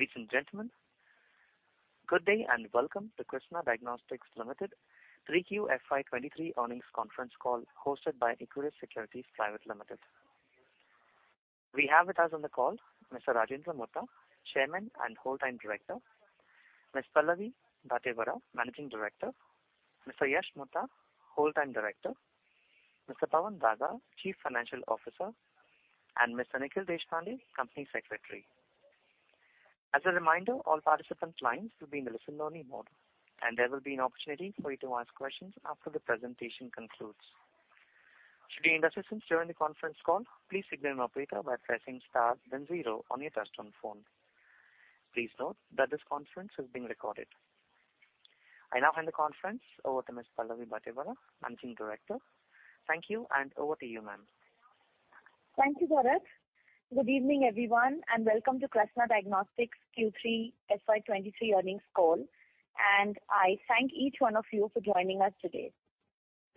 Ladies and gentlemen, good day and welcome to Krsnaa Diagnostics Limited 3Q FY 2023 earnings conference call hosted by Equirus Securities Private Limited. We have with us on the call Mr. Rajendra Mutha, Chairman and Whole-Time Director. Ms. Pallavi Bhatevara, Managing Director. Mr. Yash Mutha, Whole-Time Director. Mr. Pawan Daga, Chief Financial Officer, and Mr. Nikhil Deshpande, Company Secretary. As a reminder, all participants' lines will be in a listen-only mode, and there will be an opportunity for you to ask questions after the presentation concludes. Should you need assistance during the conference call, please signal an operator by pressing star then zero on your touchtone phone. Please note that this conference is being recorded. I now hand the conference over to Ms. Pallavi Bhatevara, Managing Director. Thank you and over to you, ma'am. Thank you, Bharat. Good evening, everyone, welcome to Krsna Diagnostics Q3 FY 2023 earnings call. I thank each one of you for joining us today.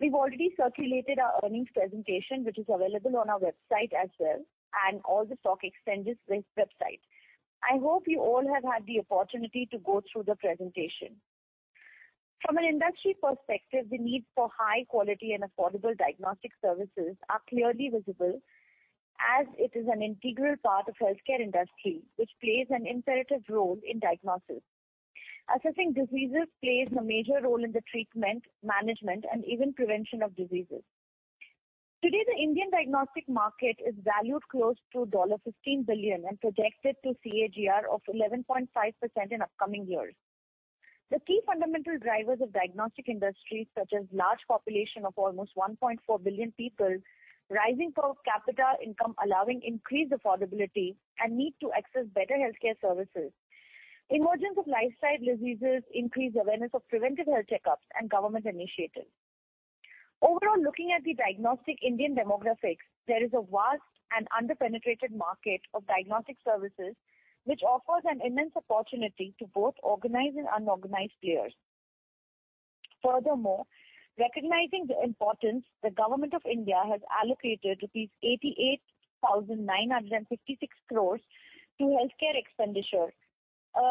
We've already circulated our earnings presentation which is available on our website as well and all the stock exchanges with website. I hope you all have had the opportunity to go through the presentation. From an industry perspective, the need for high quality and affordable diagnostic services are clearly visible as it is an integral part of healthcare industry which plays an imperative role in diagnosis. Assessing diseases plays a major role in the treatment, management, and even prevention of diseases. Today, the Indian diagnostic market is valued close to $15 billion and projected to CAGR of 11.5% in upcoming years. The key fundamental drivers of diagnostic industry, such as large population of almost 1.4 billion people, rising per capita income allowing increased affordability and need to access better healthcare services. Emergence of lifestyle diseases increase awareness of preventive health checkups and government initiatives. Looking at the diagnostic Indian demographics, there is a vast and under-penetrated market of diagnostic services which offers an immense opportunity to both organized and unorganized players. Recognizing the importance, the Government of India has allocated rupees 88,956 crore to healthcare expenditure.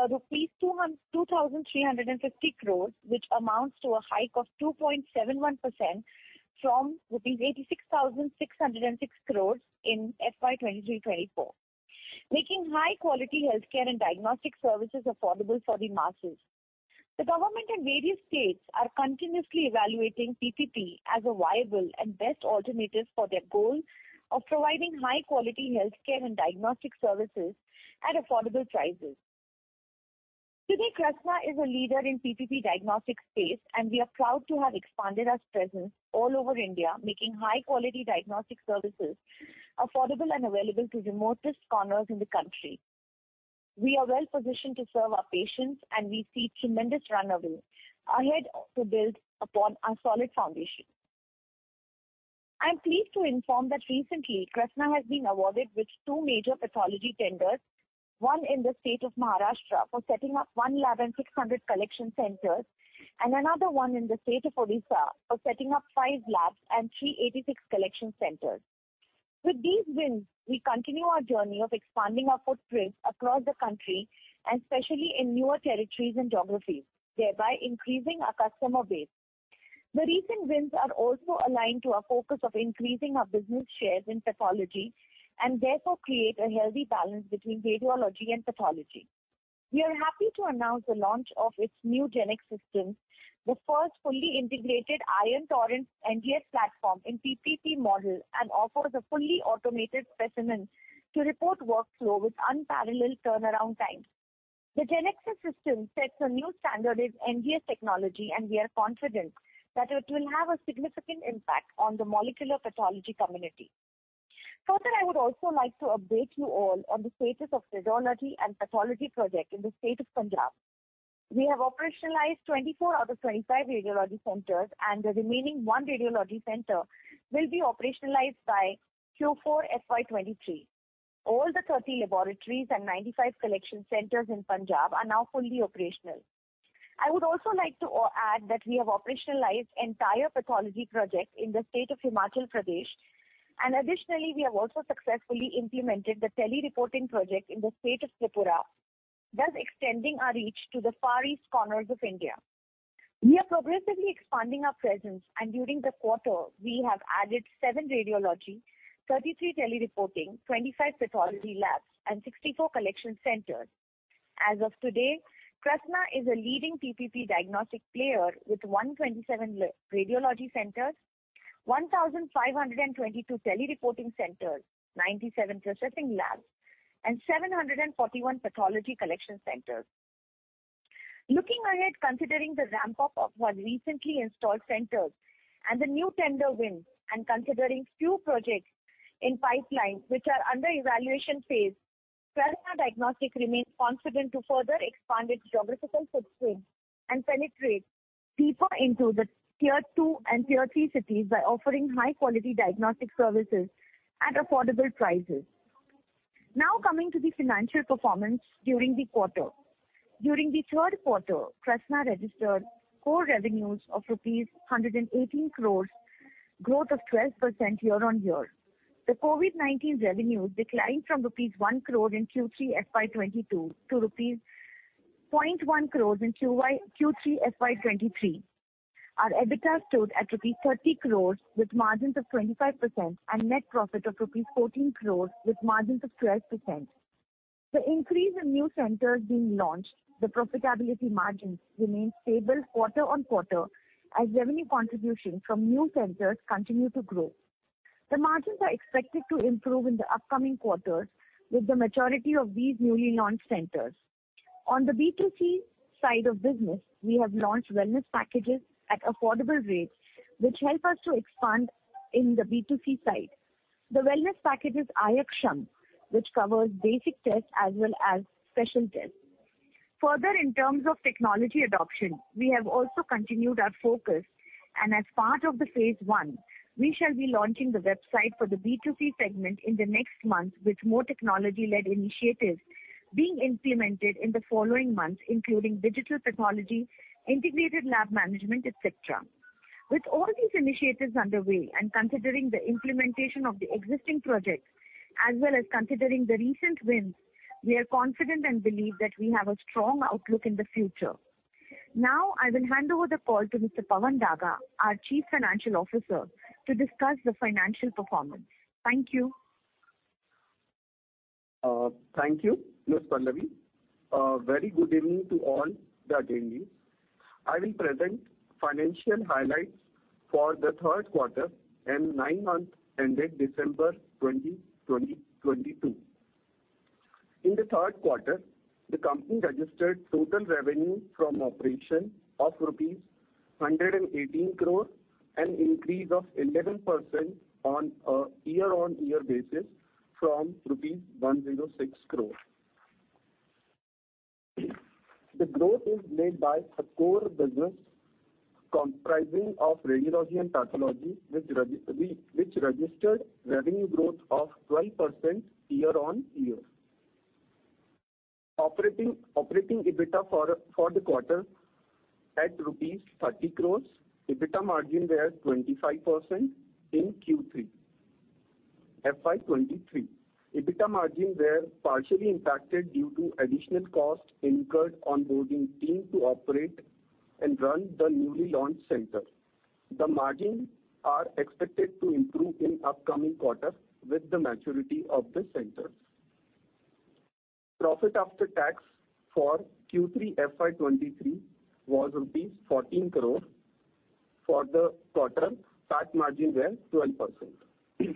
Rupees 2,350 crore which amounts to a hike of 2.71% from rupees 86,606 crore in FY 2023-2024, making high quality healthcare and diagnostic services affordable for the masses. The government and various states are continuously evaluating PPP as a viable and best alternative for their goal of providing high quality healthcare and diagnostic services at affordable prices. Today, Krsnaa is a leader in PPP diagnostic space, and we are proud to have expanded our presence all over India, making high quality diagnostic services affordable and available to remotest corners in the country. We are well-positioned to serve our patients, and we see tremendous runway ahead to build upon our solid foundation. I am pleased to inform that recently Krsnaa has been awarded with two major pathology tenders, one in the state of Maharashtra for setting up one lab and 600 collection centers, and another one in the state of Odisha for setting up 5 labs and 386 collection centers. With these wins, we continue our journey of expanding our footprint across the country and especially in newer territories and geographies, thereby increasing our customer base. The recent wins are also aligned to our focus of increasing our business shares in pathology and therefore create a healthy balance between radiology and pathology. We are happy to announce the launch of its new Genexus System, the first fully integrated Ion Torrent NGS platform in PPP model, and offers a fully automated specimen-to-report workflow with unparalleled turnaround times. The Genexus System sets a new standard in NGS technology, and we are confident that it will have a significant impact on the molecular pathology community. I would also like to update you all on the status of radiology and pathology project in the state of Punjab. We have operationalized 24 out of 25 radiology centers, and the remaining 1 radiology center will be operationalized by Q4 FY 2023. All the 30 laboratories and 95 collection centers in Punjab are now fully operational. I would also like to add that we have operationalized entire pathology project in the state of Himachal Pradesh. Additionally, we have also successfully implemented the tele-reporting project in the state of Tripura, thus extending our reach to the Far East corners of India. We are progressively expanding our presence, and during the quarter we have added seven radiology, 33 tele-reporting, 25 pathology labs, and 64 collection centers. As of today, Krsnaa is a leading PPP diagnostic player with 127 radiology centers, 1,522 tele-reporting centers, 97 processing labs, and 741 pathology collection centers. Looking ahead, considering the ramp-up of our recently installed centers and the new tender wins and considering few projects in pipeline which are under evaluation phase, Krsnaa Diagnostics remains confident to further expand its geographical footprint and penetrate deeper into the Tier two and Tier three cities by offering high quality diagnostic services at affordable prices. Now coming to the financial performance during the quarter. During the third quarter, Krsnaa registered core revenues of rupees 118 crore, growth of 12% year-on-year. The COVID-19 revenues declined from rupees 1 crore in Q3 FY 20 2022 to rupees 0.1 crore in Q3 FY 2023. Our EBITDA stood at rupees 30 crore with margins of 25% and net profit of rupees 14 crore with margins of 12%. The increase in new centers being launched, the profitability margins remained stable quarter-on-quarter as revenue contributions from new centers continue to grow. The margins are expected to improve in the upcoming quarters with the maturity of these newly launched centers. On the B2C side of business, we have launched wellness packages at affordable rates, which help us to expand in the B2C side. The wellness package is Ayaksham, which covers basic tests as well as special tests. Further, in terms of technology adoption, we have also continued our focus, and as part of the phase one, we shall be launching the website for the B2C segment in the next month with more technology-led initiatives being implemented in the following months, including digital technology, integrated lab management, et cetera. With all these initiatives underway and considering the implementation of the existing projects as well as considering the recent wins, we are confident and believe that we have a strong outlook in the future. I will hand over the call to Mr. Pawan Daga, our Chief Financial Officer, to discuss the financial performance. Thank you. Thank you, Ms. Pallavi. Very good evening to all that are joining. I will present financial highlights for the third quarter and nine months ended December 20, 2022. In the third quarter, the company registered total revenue from operation of rupees 118 crore, an increase of 11% on a year-on-year basis from INR 106 crore. The growth is made by the core business comprising of radiology and pathology, which registered revenue growth of 12% year-on-year. Operating EBITDA for the quarter at rupees 30 crore. EBITDA margin were 25% in Q3 FY 2023. EBITDA margins were partially impacted due to additional costs incurred on onboarding team to operate and run the newly launched centers. The margins are expected to improve in upcoming quarter with the maturity of the centers. Profit after tax for Q3 FY 2023 was rupees 14 crore. For the quarter, PAT margins were 12%.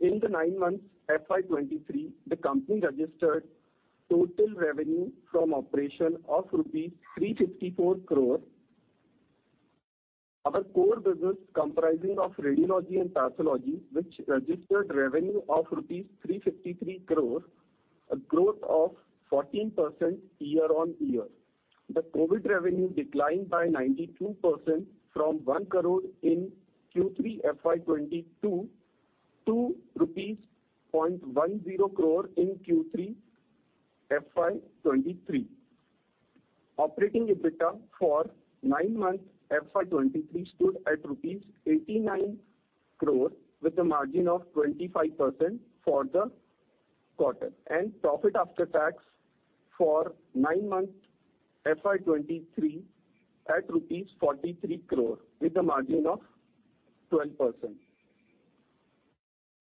In the nine months FY 2023, the company registered total revenue from operation of rupees 354 crore. Our core business comprising of radiology and pathology, which registered revenue of rupees 353 crore, a growth of 14% year-on-year. The COVID revenue declined by 92% from 1 crore in Q3 FY 2022 to INR 0.10 crore in Q3 FY 2023. Operating EBITDA for nine months FY 2023 stood at rupees 89 crore with a margin of 25% for the quarter, and profit after tax for nine months FY 2023 at rupees 43 crore with a margin of 12%.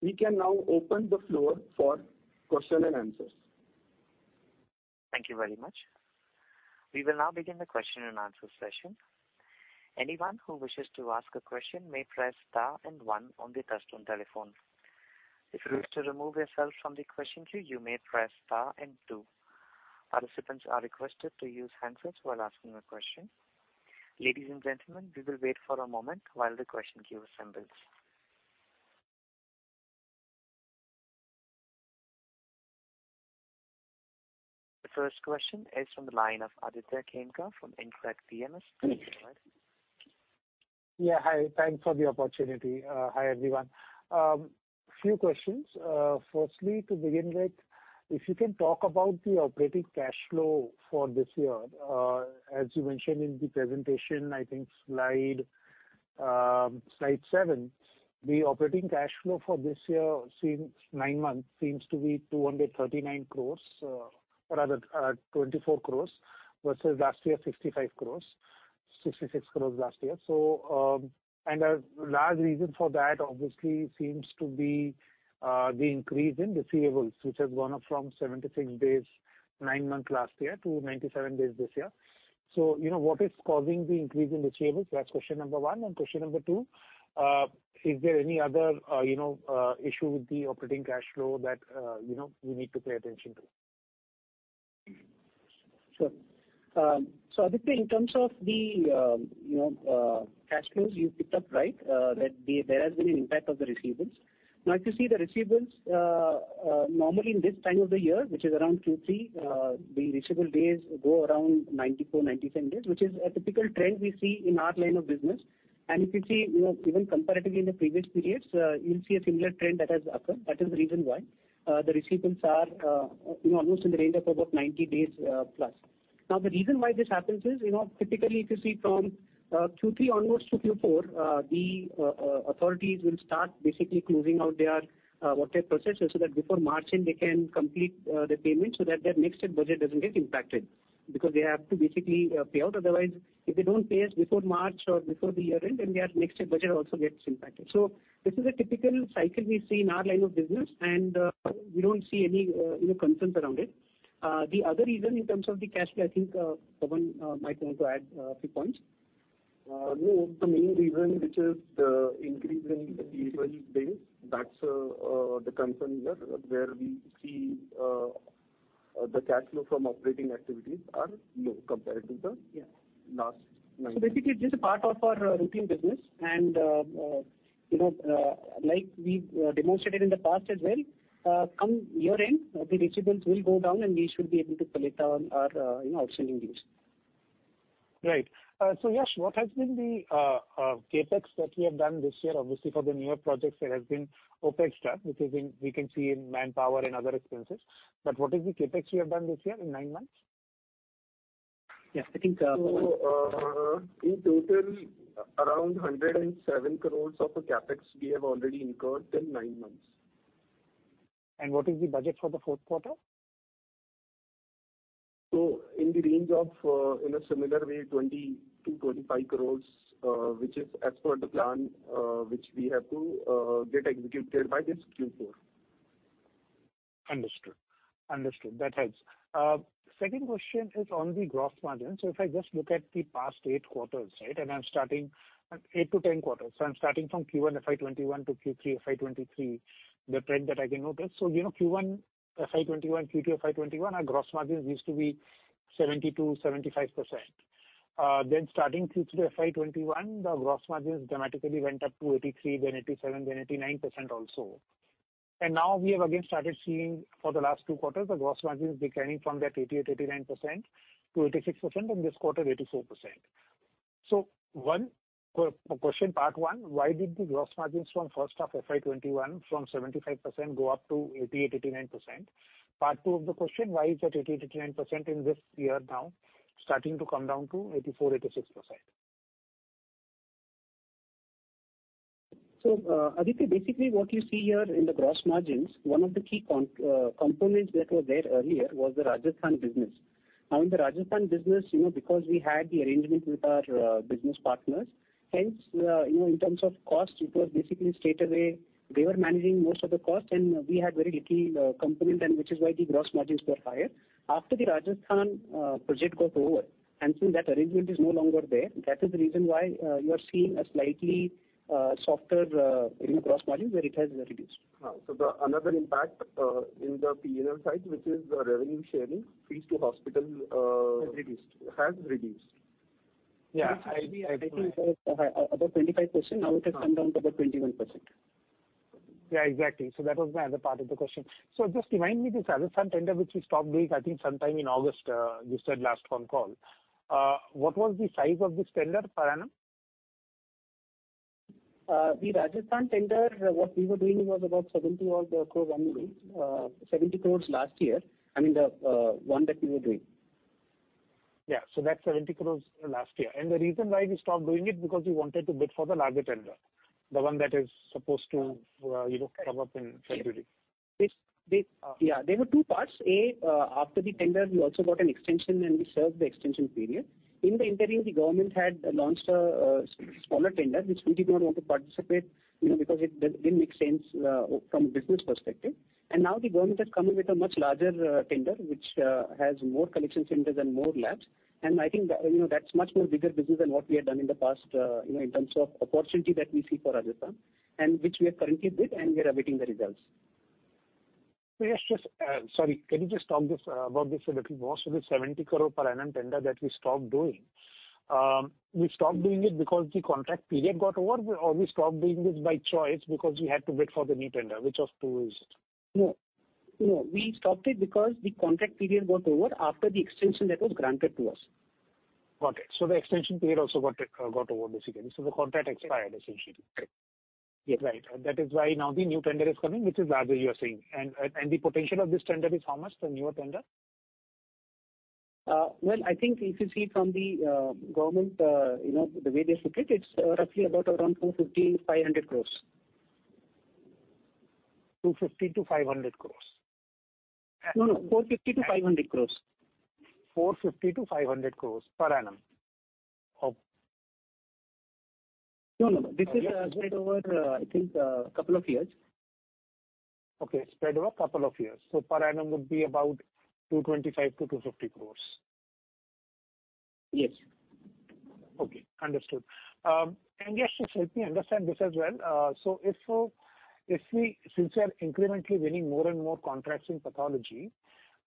We can now open the floor for question and answers. Thank you very much. We will now begin the question and answer session. Anyone who wishes to ask a question may press star and one on the touchtone telephone. If you wish to remove yourself from the question queue, you may press star and two. Participants are requested to use handsets while asking a question. Ladies and gentlemen, we will wait for a moment while the question queue assembles. The first question is from the line of Aditya Khemka from InCred PMS. Please go ahead. Hi. Thanks for the opportunity. Hi, everyone. Few questions. Firstly, to begin with, if you can talk about the operating cash flow for this year. As you mentioned in the presentation, I think slide seven, the operating cash flow for this year seems nine months seems to be 239 crore, or rather, 24 crore versus last year 65 crore, 66 crore last year. And a large reason for that obviously seems to be the increase in receivables, which has gone up from 76 days nine months last year to 97 days this year. So, you know, what is causing the increase in receivables? That's question number one. Question number two, is there any other, you know, issue with the operating cash flow that, you know, we need to pay attention to? Sure. Aditya, in terms of the, you know, cash flows, you picked up right, that there has been an impact of the receivables. If you see the receivables, normally in this time of the year, which is around Q3, the receivable days go around 94-97 days, which is a typical trend we see in our line of business. If you see, you know, even comparatively in the previous periods, you'll see a similar trend that has occurred. That is the reason why the receivables are, you know, almost in the range of about 90 days plus. The reason why this happens is, you know, typically if you see from Q3 onwards to Q4, the authorities will start basically closing out their work day processes so that before March end they can complete the payment so that their next year budget doesn't get impacted. They have to basically pay out. Otherwise, if they don't pay us before March or before the year end, then their next year budget also gets impacted. This is a typical cycle we see in our line of business, and we don't see any, you know, concerns around it. The other reason in terms of the cash flow, I think, Pawan might want to add a few points. No. The main reason which is the increase in the receivable days, that's the concern here, where we see the cash flow from operating activities are low compared to. Yeah. last nine months. Basically just a part of our routine business. You know, like we've demonstrated in the past as well, come year end, the receivables will go down, and we should be able to collect on our outstanding dues. Right. Yash, what has been the CapEx that we have done this year? Obviously, for the newer projects there has been OpEx done, which has been, we can see in manpower and other expenses. What is the CapEx we have done this year in nine months? Yes. I think. In total, around 107 crore of the CapEx we have already incurred in 9 months. What is the budget for the fourth quarter? In the range of, in a similar way, 20 crore-25 crore, which is as per the plan, which we have to get executed by this Q4. Understood. Understood. That helps. Second question is on the gross margin. If I just look at the past eight quarters, right, and I'm starting at eight to 10 quarters, I'm starting from Q1 FY 2021 to Q3 FY 2023, the trend that I can notice. You know, Q1 FY 2021, Q2 FY 2021, our gross margins used to be 70%-75%. Then starting Q3 FY 2021, the gross margins dramatically went up to 83%, then 87%, then 89% also. Now we have again started seeing for the last two quarters the gross margins declining from that 88%-89% to 86%, and this quarter 84%. Question part one, why did the gross margins from first half FY 2021 from 75% go up to 88%-89%? Part two of the question, why is that 88%-89% in this year now starting to come down to 84%-86%? Aditya, basically what you see here in the gross margins, one of the key components that were there earlier was the Rajasthan business. In the Rajasthan business, you know, because we had the arrangement with our business partners, in terms of cost, it was basically straightaway they were managing most of the cost, and we had very little component and which is why the gross margins were higher. After the Rajasthan project got over, and since that arrangement is no longer there, that is the reason why you are seeing a slightly softer, you know, gross margin where it has reduced. The another impact in the P&L side, which is the revenue sharing fees to hospital. Has reduced. has reduced. I think it was, about 25%. Now it has come down to about 21%. Yeah, exactly. That was my other part of the question. Just remind me this Rajasthan tender, which we stopped doing, I think sometime in August, you said last call. What was the size of this tender per annum? The Rajasthan tender, what we were doing was about 70 odd crore annually. 70 crore last year, I mean, the one that we were doing. Yeah. That's 70 crore last year. The reason why we stopped doing it because we wanted to bid for the larger tender, the one that is supposed to, you know, come up in February. Yes. They... Yeah, there were two parts. A, after the tender, we also got an extension, and we served the extension period. In the interim, the government had launched a smaller tender, which we did not want to participate, you know, because it didn't make sense from a business perspective. Now the government has come in with a much larger tender, which has more collection centers and more labs. I think, you know, that's much more bigger business than what we had done in the past, you know, in terms of opportunity that we see for Rajasthan, and which we have currently bid and we are awaiting the results. Yash, just, sorry, can you just talk this, about this a little more? The 70 crore per annum tender that we stopped doing. We stopped doing it because the contract period got over or we stopped doing it by choice because we had to wait for the new tender? Which of two is it? No. No. We stopped it because the contract period got over after the extension that was granted to us. Got it. The extension period also got over basically. The contract expired essentially. Yes. Right. That is why now the new tender is coming, which is larger, you are saying. The potential of this tender is how much, the newer tender? Well, I think if you see from the government, you know, the way they look at, it's roughly about around 250 crore, INR 500 crore. 250 crore-500 crore. No, no. 450 crore-500 crore. 450 crore-500 crore per annum. No, no. This is spread over, I think, couple of years. Okay, spread over couple of years. Per annum would be about 225 crore-250 crore. Yes. Okay. Understood. Yash, just help me understand this as well. If since we are incrementally winning more and more contracts in pathology,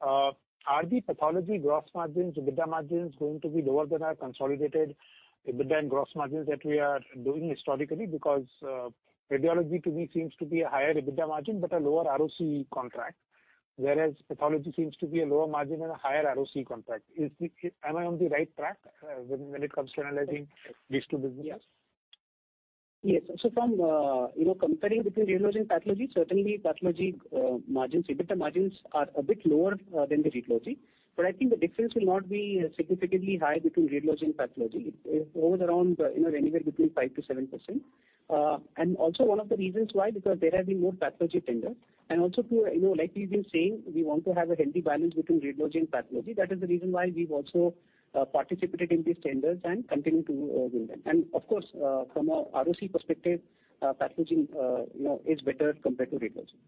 are the pathology gross margins, EBITDA margins going to be lower than our consolidated EBITDA and gross margins that we are doing historically? Because radiology to me seems to be a higher EBITDA margin but a lower ROC contract. Whereas pathology seems to be a lower margin and a higher ROC contract. Am I on the right track when it comes to analyzing these two businesses? Yes. From, you know, comparing between radiology and pathology, certainly pathology margins, EBITDA margins are a bit lower than the radiology. I think the difference will not be significantly high between radiology and pathology. It hovers around, you know, anywhere between 5%-7%. Also one of the reasons why, because there have been more pathology tenders. Also to, you know, like we've been saying, we want to have a healthy balance between radiology and pathology. That is the reason why we've also participated in these tenders and continue to win them. Of course, from a ROC perspective, pathology, you know, is better compared to radiology.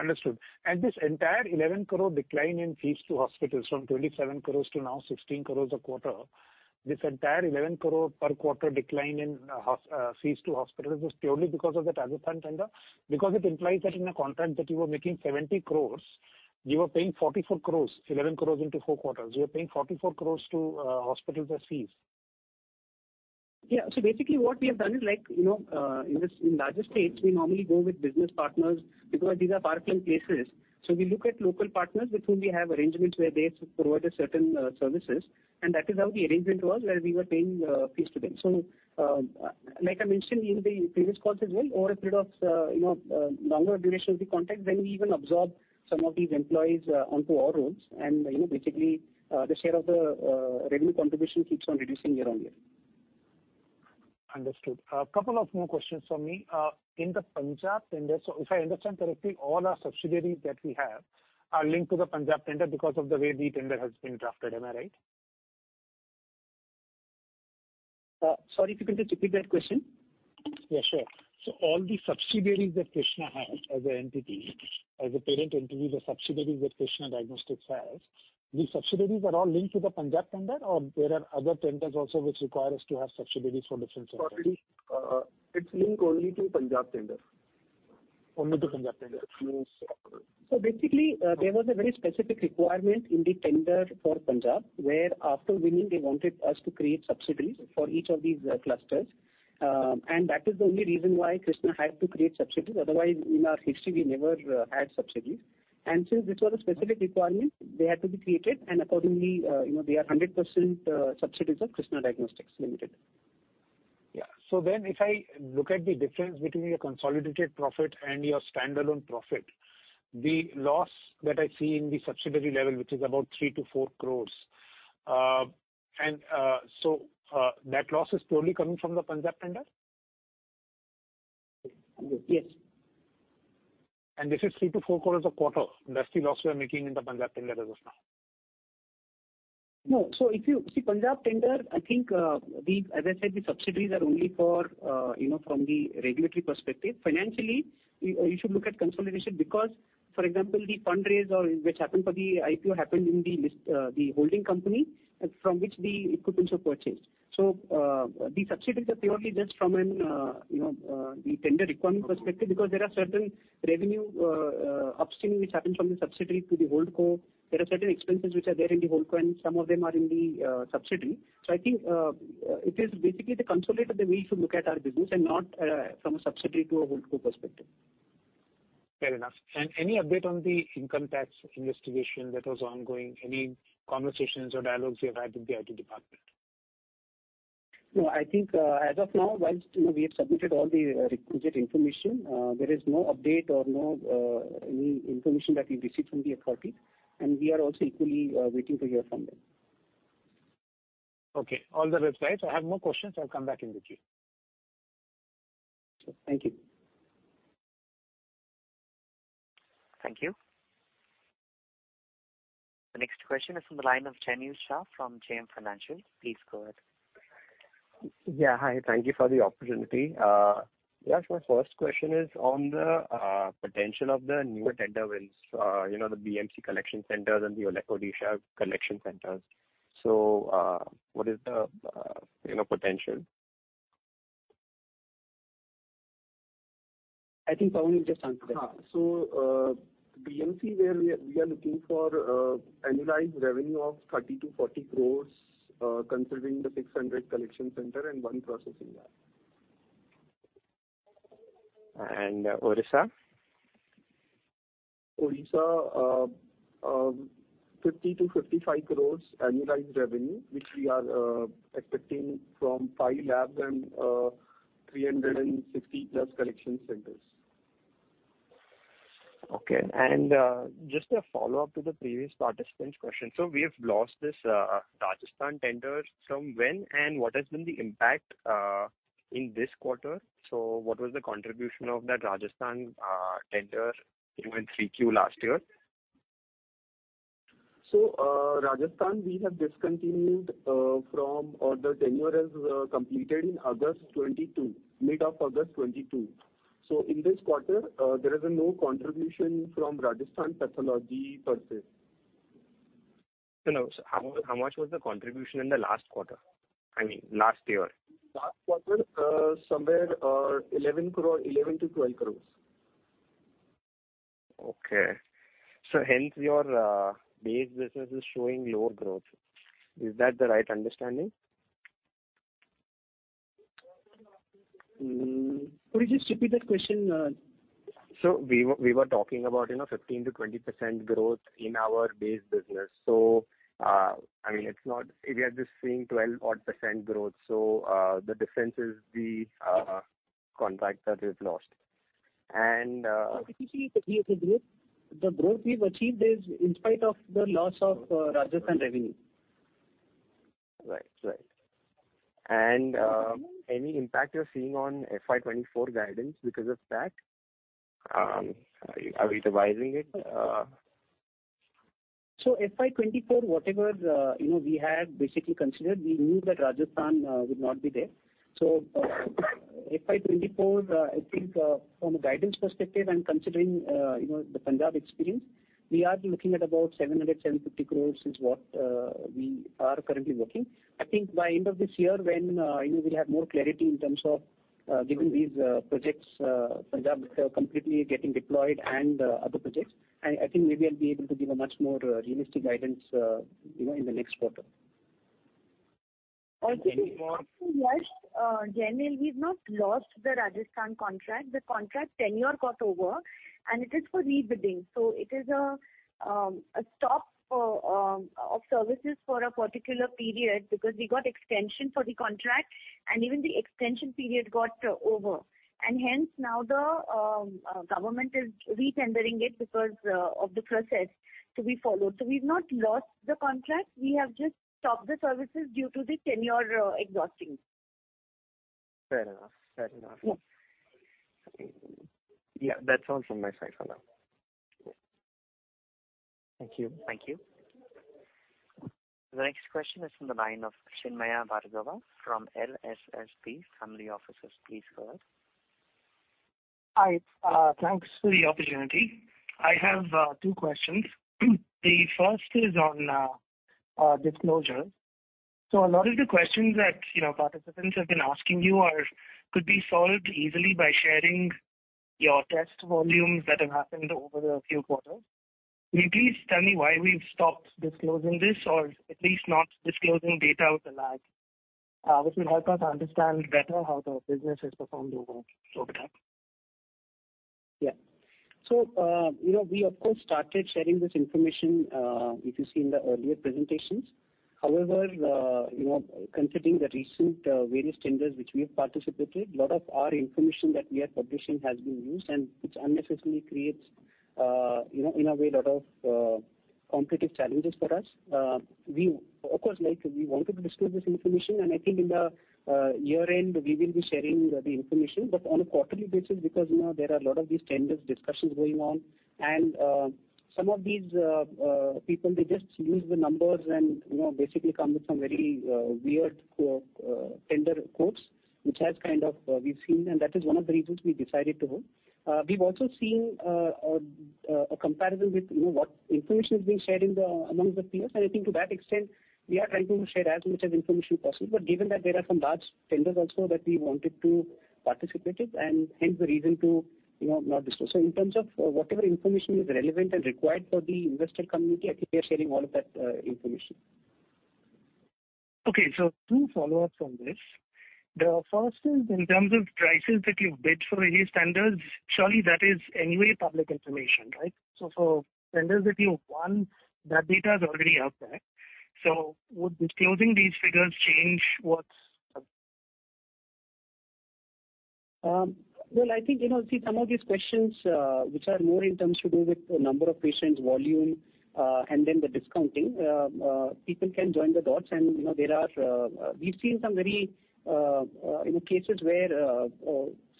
Understood. This entire 11 crore decline in fees to hospitals from 27 crore to now 16 crore a quarter, this entire 11 crore per quarter decline in fees to hospitals is purely because of the Rajasthan tender? It implies that in a contract that you were making 70 crore, you were paying 44 crore, 11 crore into four quarters. You were paying 44 crore to hospitals as fees. Basically what we have done is like, you know, in this, in larger states, we normally go with business partners because these are far-flung places. We look at local partners with whom we have arrangements where they provide a certain services, and that is how the arrangement was, where we were paying fees to them. Like I mentioned in the previous calls as well, over a period of, you know, longer duration of the contract, then we even absorb some of these employees onto our rolls. You know, basically, the share of the revenue contribution keeps on reducing year-on-year. Understood. A couple of more questions from me. In the Punjab tender, so if I understand correctly, all our subsidiaries that we have are linked to the Punjab tender because of the way the tender has been drafted. Am I right? Sorry, if you can just repeat that question. Yeah, sure. All the subsidiaries that Krsnaa has as an entity, as a parent entity, the subsidiaries that Krsnaa Diagnostics has, these subsidiaries are all linked to the Punjab tender or there are other tenders also which require us to have subsidiaries for different tenders? It's linked only to Punjab tender. Only to Punjab tender? Yes. Basically, there was a very specific requirement in the tender for Punjab, where after winning they wanted us to create subsidiaries for each of these clusters. That is the only reason why Krsnaa had to create subsidiaries. Otherwise, in our history, we never had subsidiaries. Since this was a specific requirement, they had to be created, and accordingly, you know, they are 100% subsidiaries of Krsnaa Diagnostics Limited. Yeah. If I look at the difference between your consolidated profit and your standalone profit, the loss that I see in the subsidiary level, which is about 3 crore-4 crore, and that loss is totally coming from the Punjab tender? Yes. This is 3 crore-4 crore a quarter. That's the loss we are making in the Punjab tender as of now. No. See, Punjab tender, I think, As I said, the subsidiaries are only for, you know, from the regulatory perspective. Financially, you should look at consolidation because, for example, the fundraise or which happened for the IPO happened in the holding company from which the equipments were purchased. The subsidiaries are purely just from a, you know, the tender requirement perspective, because there are certain revenue upstream which happened from the subsidiary to the holdco. There are certain expenses which are there in the holdco, and some of them are in the subsidiary. I think, it is basically the consolidated way to look at our business and not from a subsidiary to a holdco perspective. Fair enough. Any update on the income tax investigation that was ongoing? Any conversations or dialogues you have had with the IT department? No, I think, as of now, whilst you know we have submitted all the requisite information, there is no update or no any information that we've received from the authority. We are also equally waiting to hear from them. Okay. All the best. I have no questions. I'll come back in the queue. Thank you. Thank you. The next question is from the line of Chintan Shah from JM Financial. Please go ahead. Yeah. Hi. Thank you for the opportunity. My first question is on the potential of the new tender wins, you know, the BMC collection centers and the Ole Odisha collection centers. What is the, you know, potential? I think Pawan will just answer that. BMC, where we are looking for, annualized revenue of 30 crore-40 crore, considering the 600 collection center and one processing lab. Odisha? Odisha, 50 crore-55 crore annualized revenue, which we are expecting from five labs and 360+ collection centers. Okay. Just a follow-up to the previous participant's question. We have lost this Rajasthan tender. From when, what has been the impact in this quarter? What was the contribution of that Rajasthan tender even 3Q last year? Rajasthan we have discontinued. Or the tenure has completed in August 2022, mid of August 2022. In this quarter, there is no contribution from Rajasthan pathology business. No. How much was the contribution in the last quarter? I mean, last year. Last quarter, somewhere, 11 crore, 11 crore-12 crore. Okay. Hence your base business is showing lower growth. Is that the right understanding? Could you just repeat that question? We were talking about, you know, 15%-20% growth in our base business. I mean, we are just seeing 12% odd growth. The difference is the contract that we've lost. Basically the growth we've achieved is in spite of the loss of Rajasthan revenue. Right. Right. Any impact you're seeing on FY 2024 guidance because of that? Are we revising it? FY 2024, whatever, you know, we had basically considered, we knew that Rajasthan would not be there. FY 2024, I think, from a guidance perspective and considering, you know, the Punjab experience, we are looking at about 700 crore-750 crore is what we are currently working. I think by end of this year, when, you know, we'll have more clarity in terms of, given these projects, Punjab completely getting deployed and other projects, I think maybe I'll be able to give a much more realistic guidance, you know, in the next quarter. Any more- Just generally, we've not lost the Rajasthan contract. The contract tenure got over, and it is for re-bidding. It is a stop for services for a particular period because we got extension for the contract and even the extension period got over. Hence now the government is re-tendering it because of the process to be followed. We've not lost the contract. We have just stopped the services due to the tenure exhausting. Fair enough. Fair enough. Yeah. Yeah. That's all from my side for now. Thank you. Thank you. The next question is from the line of Chinmaya Bhargava from LSSP Family Offices. Please go ahead. Hi. Thanks for the opportunity. I have two questions. The first is on disclosure. A lot of the questions that, you know, participants have been asking you are, could be solved easily by sharing your test volumes that have happened over the few quarters. Can you please tell me why we've stopped disclosing this, or at least not disclosing data with a lag? This will help us understand better how the business has performed over time. Yeah. You know, we of course, started sharing this information, if you see in the earlier presentations. However, you know, considering the recent various tenders which we have participated, a lot of our information that we are publishing has been used and which unnecessarily creates, you know, in a way lot of competitive challenges for us. We of course, like we wanted to disclose this information. I think in the year-end we will be sharing the information. On a quarterly basis because, you know, there are a lot of these tenders discussions going on and some of these people they just use the numbers and, you know, basically come with some very weird tender quotes, which has kind of we've seen. That is one of the reasons we decided to hold. We've also seen a comparable with, you know, what information is being shared amongst the peers. I think to that extent, we are trying to share as much as information possible. Given that there are some large tenders also that we wanted to participate it, and hence the reason to, you know, not disclose. In terms of whatever information is relevant and required for the investor community, I think we are sharing all of that information. Okay. Two follow-ups on this. The first is in terms of prices that you've bid for any tenders, surely that is anyway public information, right? For tenders that you've won, that data is already out there. Would disclosing these figures change what's... Well, I think, you know, see some of these questions, which are more in terms to do with the number of patients, volume, and then the discounting. People can join the dots and, you know, there are, we've seen some very, you know, cases where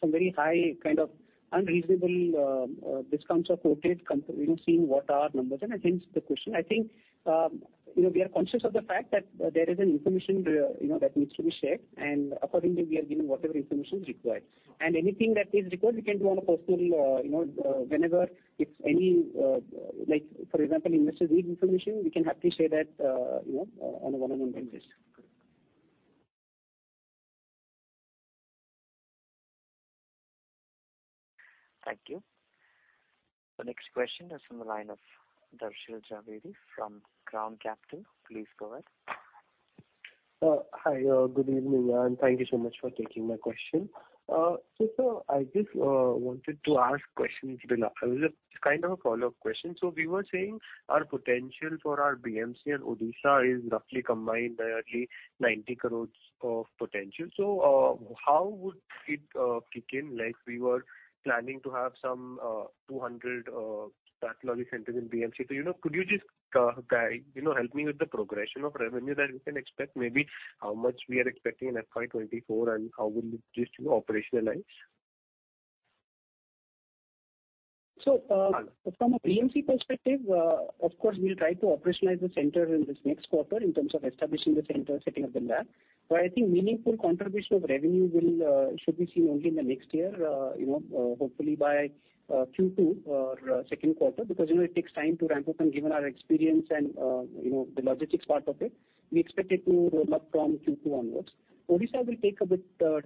some very high kind of unreasonable discounts are quoted, you know, seeing what our numbers and hence the question. I think, you know, we are conscious of the fact that there is an information, you know, that needs to be shared, and accordingly we are giving whatever information is required. Anything that is required, we can do on a personal, you know, whenever it's any, like for example, investors need information, we can happily share that, you know, on a one-on-one basis. Thank you. The next question is from the line of Darshil Zaveri from Crown Capital. Please go ahead. Hi. Good evening, thank you so much for taking my question. Sir I just wanted to ask questions. It's kind of a follow-up question. We were saying our potential for our BMC and Odisha is roughly combined, nearly 90 crore of potential. How would it kick in? Like, we were planning to have some 200 pathology centers in BMC. You know, could you just guide, you know, help me with the progression of revenue that we can expect? Maybe how much we are expecting in FY 2024, how will this, you know, operationalize? From a BMC perspective, of course, we'll try to operationalize the center in this next quarter in terms of establishing the center, setting up the lab. I think meaningful contribution of revenue should be seen only in the next year, you know, hopefully by Q2 or second quarter, because, you know, it takes time to ramp up. Given our experience and, you know, the logistics part of it, we expect it to roll up from Q2 onwards. Odisha will take a bit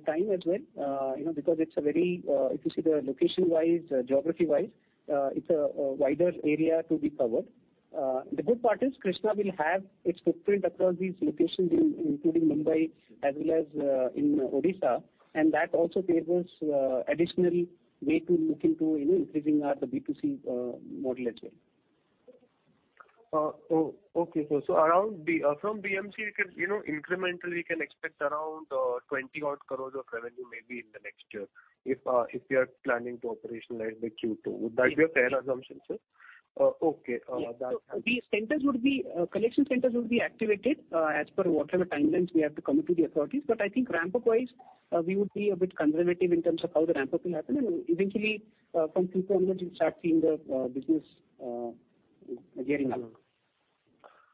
time as well, you know, because it's a very, if you see the location-wise, geography-wise, it's a wider area to be covered. The good part is Krsnaa will have its footprint across these locations in, including Mumbai as well as in Odisha. That also gives us additional way to look into, you know, increasing our, the B2C model as well. Okay, sir. From BMC, we can, you know, incremental we can expect around 20-odd crore of revenue maybe in the next year if we are planning to operationalize by Q2. Would that be a fair assumption, sir? Okay. Yeah. These centers would be collection centers would be activated as per whatever timelines we have to commit to the authorities. I think ramp-up wise, we would be a bit conservative in terms of how the ramp-up will happen. Eventually, from Q4 onwards, you'll start seeing the business gearing up.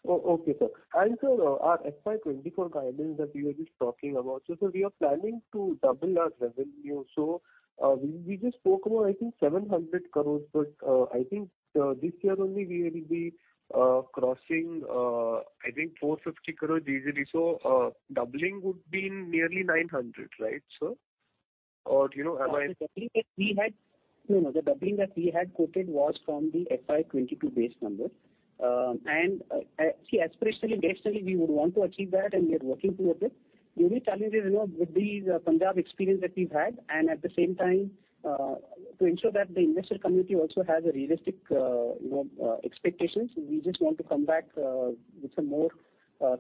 Okay, sir. Sir, our FY 2024 guidance that you were just talking about. Sir, we are planning to double our revenue. we just spoke about I think 700 crore, but I think this year only we will be crossing I think 450 crore easily. Doubling would be nearly 900, right, sir? Or do you know, am I? No, the doubling that we had quoted was from the FY 2022 base number. Aspirationally, basically, we would want to achieve that, and we are working towards it. The only challenge is, you know, with the Punjab experience that we've had, and at the same time, to ensure that the investor community also has a realistic expectations, we just want to come back with a more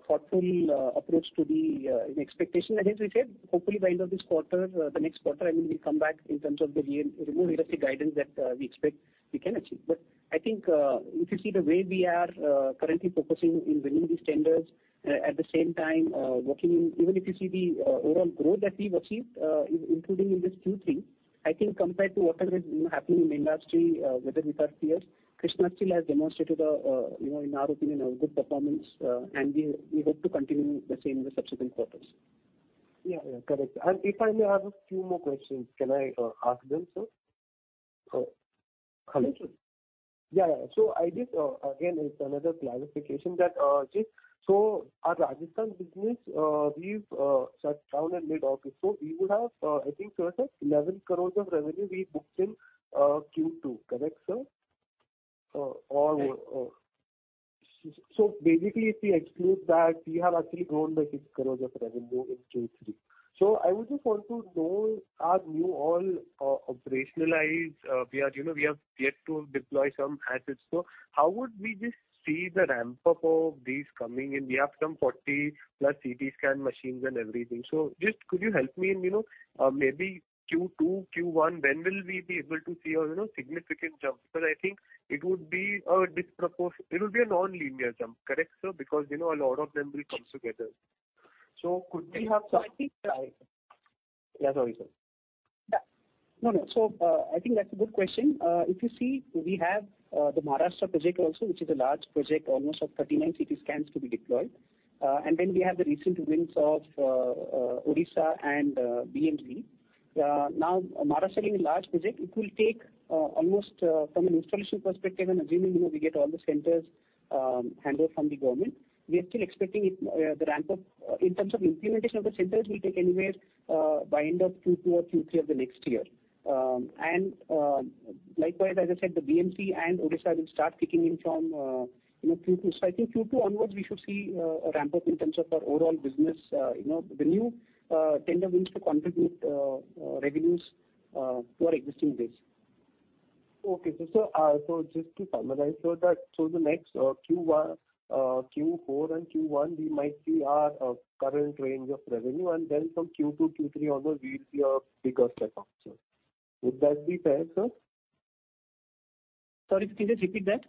thoughtful approach to the expectation. As we said, hopefully by end of this quarter, the next quarter, I mean, we'll come back in terms of the real, you know, realistic guidance that we expect we can achieve. I think, if you see the way we are currently focusing in winning these tenders, at the same time, working. Even if you see the overall growth that we've achieved, including in this Q3, I think compared to whatever is, you know, happening in the industry, whether with our peers, Krsnaa still has demonstrated a, you know, in our opinion, a good performance, and we hope to continue the same in the subsequent quarters. Yeah. Yeah. Correct. If I may ask a few more questions, can I ask them, sir? Sure. I just, again, it's another clarification that, just so our Rajasthan business, we've shut down in mid-August. We would have, I think sir said 11 crore of revenue we booked in Q2. Correct, sir? Or. Yes. Basically, if we exclude that, we have actually grown by 6 crore of revenue in Q3. I would just want to know, are new all operationalized, we are, you know, we have yet to deploy some assets. How would we just see the ramp-up of these coming in? We have some 40+ CT scan machines and everything. Just could you help me in, you know, maybe Q2, Q1, when will we be able to see a, you know, significant jump? Because I think it would be a nonlinear jump. Correct, sir? Because, you know, a lot of them will come together. Could we have. I think. Yeah. Sorry, sir. Yeah. No, no. I think that's a good question. If you see, we have the Maharashtra project also, which is a large project, almost of 39 CT scans to be deployed. Then we have the recent wins of Odisha and BMC. Maharashtra being a large project, it will take almost from an installation perspective and assuming, you know, we get all the centers handed from the government, we are still expecting it, the ramp-up in terms of implementation of the centers will take anywhere by end of Q2 or Q3 of the next year. Likewise, as I said, the BMC and Odisha will start kicking in from, you know, Q2. I think Q2 onwards we should see a ramp-up in terms of our overall business, you know, the new tender wins to contribute revenues to our existing base. Okay. Just to summarize, so that through the next Q1, Q4 and Q1, we might see our current range of revenue, and then from Q2, Q3 onwards, we'll see a bigger step up, sir? Would that be fair, sir? Sorry, can you just repeat that?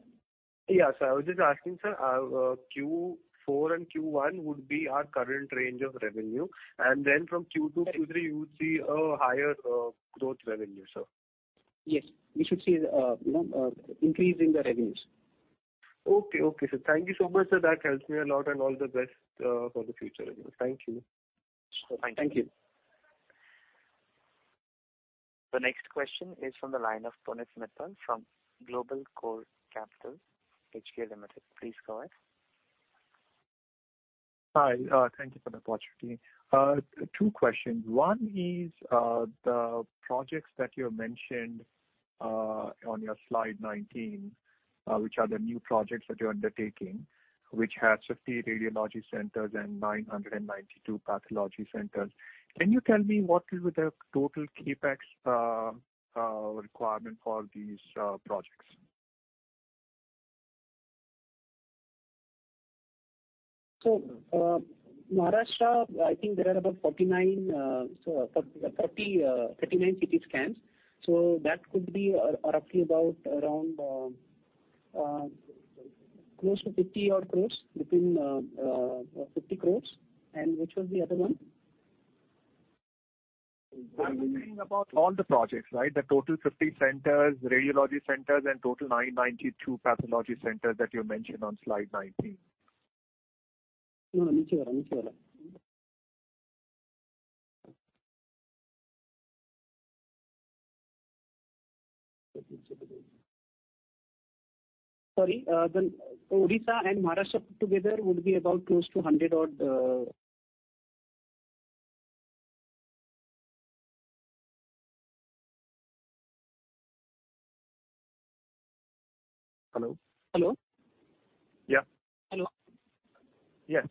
I was just asking, sir, Q4 and Q1 would be our current range of revenue, from Q2, Q3, you would see a higher growth revenue, sir. Yes. We should see, you know, increase in the revenues. Okay. Okay, sir. Thank you so much, sir. That helps me a lot. All the best for the future. Thank you. Thank you. The next question is from the line of Punit Mittal from Global Core Capital HK Limited. Please go ahead. Hi. Thank you for the opportunity. Two questions. One is, the projects that you mentioned, on your slide 19, which are the new projects that you're undertaking, which has 50 radiology centers and 992 pathology centers. Can you tell me what is the total CapEx requirement for these projects? Maharashtra, I think there are about 49, 39 CT scans. That could be roughly about around close to 50 odd crore, between 50 crore. Which was the other one? I'm talking about all the projects, right? The total 50 centers, radiology centers, and total 992 pathology centers that you mentioned on slide 19. No, me too. Sorry. The Odisha and Maharashtra put together would be about close to 100 odd. Hello? Hello. Yeah. Hello. Yes.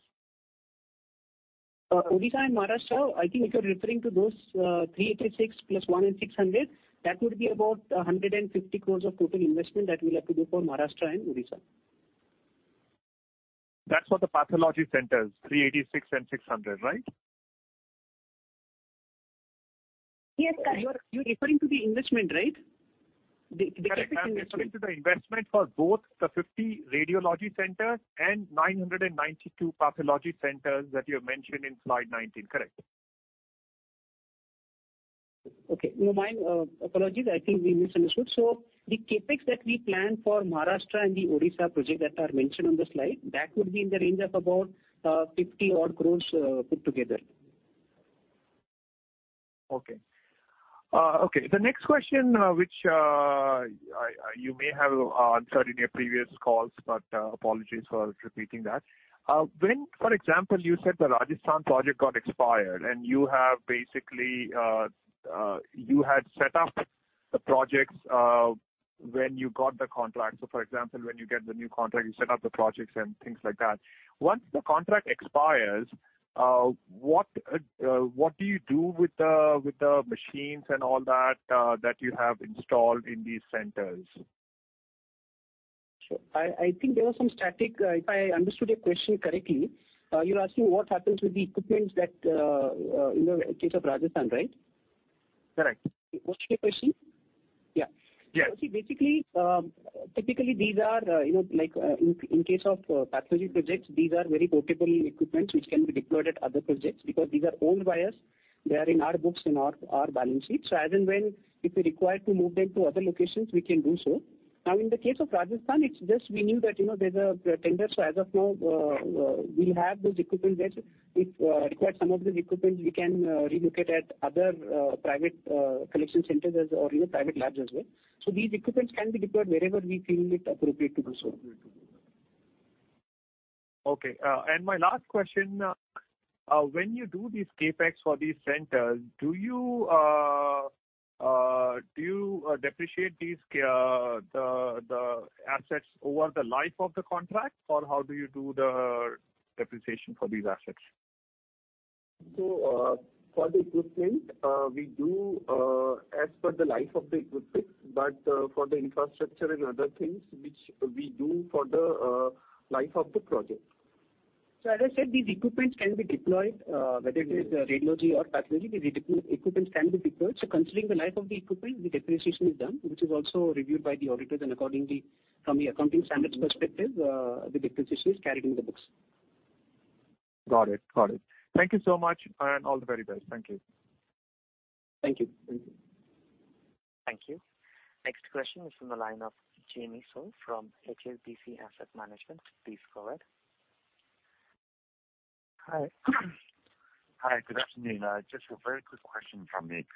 Odisha and Maharashtra, I think if you're referring to those, 386+1,600, that would be about 150 crore of total investment that we'll have to do for Maharashtra and Odisha. That's for the pathology centers, 386 and 600, right? Yes. You're referring to the investment, right? Correct. I'm referring to the investment for both the 50 radiology centers and 992 pathology centers that you have mentioned in slide 19. Correct. Okay. No mind. Apologies. I think we misunderstood. The CapEx that we plan for Maharashtra and the Odisha project that are mentioned on the slide, that would be in the range of about 50 odd crore put together. Okay. Okay. The next question, which you may have answered in your previous calls. Apologies for repeating that. When, for example, you said the Rajasthan project got expired and you have basically, you had set up the projects, when you got the contract. For example, when you get the new contract, you set up the projects and things like that. Once the contract expires, what do you do with the machines and all that that you have installed in these centers? Sure. I think there was some static. If I understood your question correctly, you're asking what happens with the equipments that in the case of Rajasthan, right? Correct. Was it your question? Yeah. Yeah. See, basically, typically these are, you know, like, in case of, pathology projects, these are very portable equipments which can be deployed at other projects because these are owned by us. They are in our books, our balance sheets. As and when, if we require to move them to other locations, we can do so. In the case of Rajasthan, it's just we knew that, you know, there's a tender, as of now, we have those equipment there. If, required some of the equipment, we can, relocate at other, private, collection centers as or, you know, private labs as well. These equipments can be deployed wherever we feel it appropriate to do so. Okay. My last question. When you do these CapEx for these centers, do you depreciate these assets over the life of the contract? Or how do you do the depreciation for these assets? For the equipment, we do, as per the life of the equipment. For the infrastructure and other things which we do for the life of the project. As I said, these equipments can be deployed, whether it is radiology or pathology, the equipments can be deployed. Considering the life of the equipment, the depreciation is done, which is also reviewed by the auditors. Accordingly, from the accounting standards perspective, the depreciation is carried in the books. Got it. Got it. Thank you so much and all the very best. Thank you. Thank you. Thank you. Thank you. Next question is from the line of Jamie Soo from HSBC Asset Management. Please go ahead. Hi. Hi. Good afternoon. Just a very quick question from me.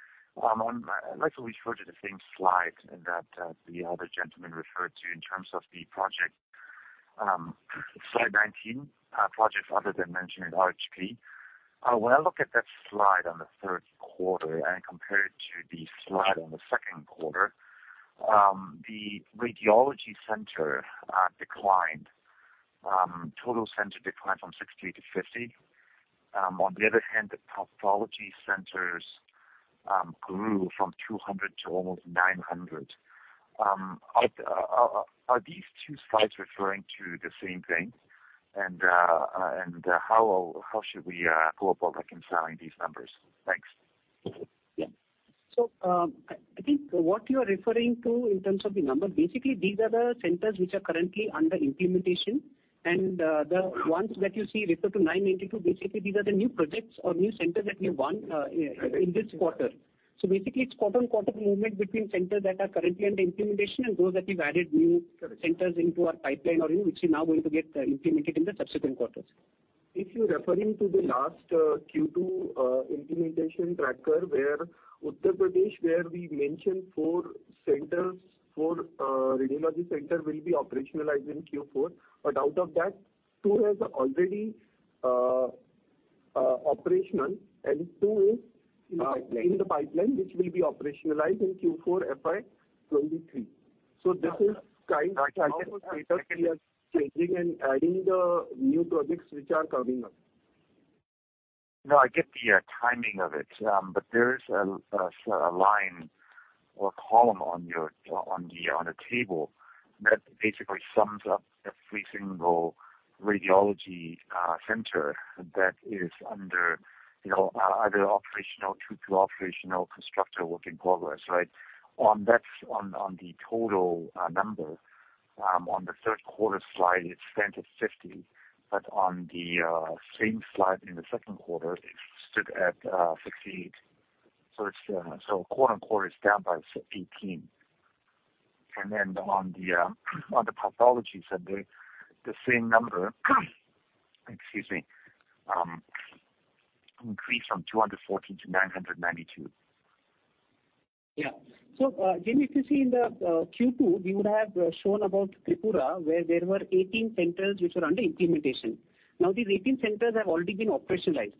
I'd like to refer to the same slide in that the other gentleman referred to in terms of the project. Slide 19, projects other than mentioned in RHP. When I look at that slide on the third quarter and compare it to the slide on the second quarter, the radiology center declined. Total center declined from 60-50. On the other hand, the pathology centers grew from 200 to almost 900. Are these two slides referring to the same thing? How should we go about reconciling these numbers? Thanks. I think what you are referring to in terms of the number. Basically, these are the centers which are currently under implementation. The ones that you see refer to 982. Basically, these are the new projects or new centers that we won in this quarter. Basically, it's quarter-on-quarter movement between centers that are currently under implementation and those that we've added new centers into our pipeline or in which we now going to get implemented in the subsequent quarters. If you're referring to the last, Q2 implementation tracker, where Uttar Pradesh, where we mentioned four centers, four radiology center will be operationalized in Q4. Out of that two has already operational and two is. In the pipeline.... in the pipeline, which will be operationalized in Q4 FY 2023. This is kind of status we are changing and adding the new projects which are coming up. No, I get the timing of it. There is a line or column on your, on the, on the table that basically sums up every single radiology center that is under, you know, either operational, to operational, construction work in progress, right. On the total number, on the third quarter slide, it's 10-50, but on the same slide in the second quarter it stood at 68. It's so quarter-on-quarter is down by 18. On the pathology center, the same number, excuse me, increased from 240-992. Jamie, if you see in the Q2, we would have shown about Tripura, where there were 18 centers which were under implementation. Now these 18 centers have already been operationalized.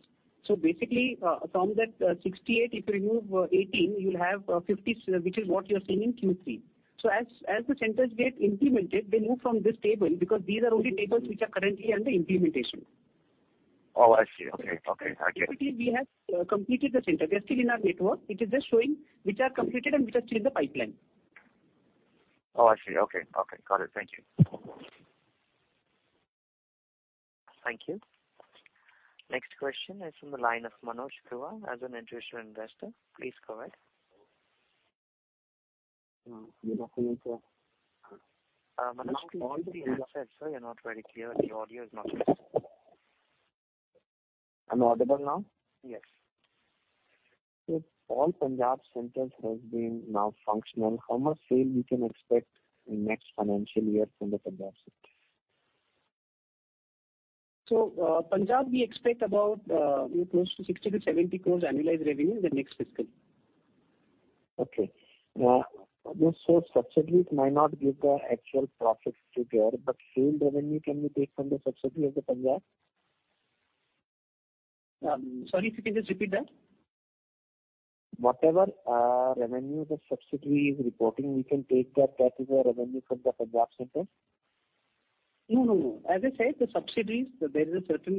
Basically, from that 68, if you remove 18, you'll have 50, which is what you're seeing in Q3. As the centers get implemented, they move from this table because these are only tables which are currently under implementation. Oh, I see. Okay, okay. I get it. We have completed the center. They're still in our network. It is just showing which are completed and which are still in the pipeline. Oh, I see. Okay. Okay, got it. Thank you. Thank you. Next question is from the line of Manoj Kuwar as an institutional investor. Please go ahead. Good afternoon, sir. Manoj, all the assets, sir, you're not very clear. The audio is not clear. Am I audible now? Yes. If all Punjab centers has been now functional, how much sale we can expect in next financial year from the Punjab center? Punjab we expect about, close to 60 crore-70 crore annualized revenue in the next fiscal. Okay. This whole subsidies might not give the actual profits to here, but same revenue can be take from the subsidy of the Punjab? Sorry, if you can just repeat that. Whatever revenue the subsidy is reporting, we can take that is a revenue from the Punjab centers? No, no. As I said, the subsidiaries, there is a certain,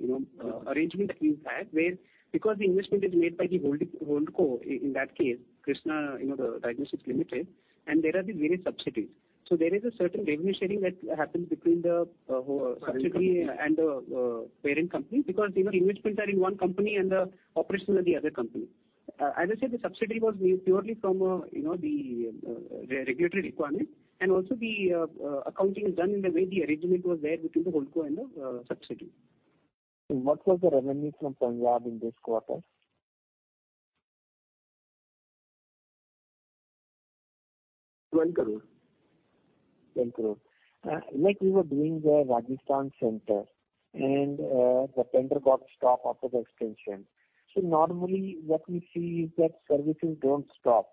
you know, arrangement that we've had where because the investment is made by the holdco. In that case, Krsnaa, you know, Diagnostics Limited, and there are the various subsidiaries. There is a certain revenue sharing that happens between the subsidiary and the parent company, because, you know, investments are in one company and the operations are the other company. As I said, the subsidiary was made purely from, you know, the regulatory requirement, and also the accounting is done in the way the arrangement was there between the holdco and the subsidiary. What was the revenue from Punjab in this quarter? 20 crore. 10 crore. like we were doing the Rajasthan center and, the tender got stopped after the extension. Normally what we see is that services don't stop.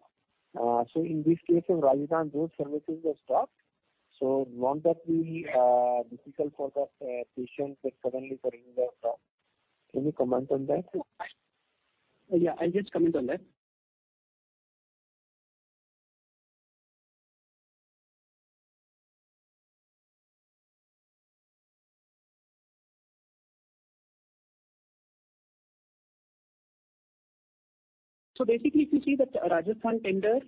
In this case of Rajasthan, those services were stopped. Won't that be difficult for the patients that suddenly bringing their problem? Any comment on that? I'll just comment on that. Basically, if you see that Rajasthan tender,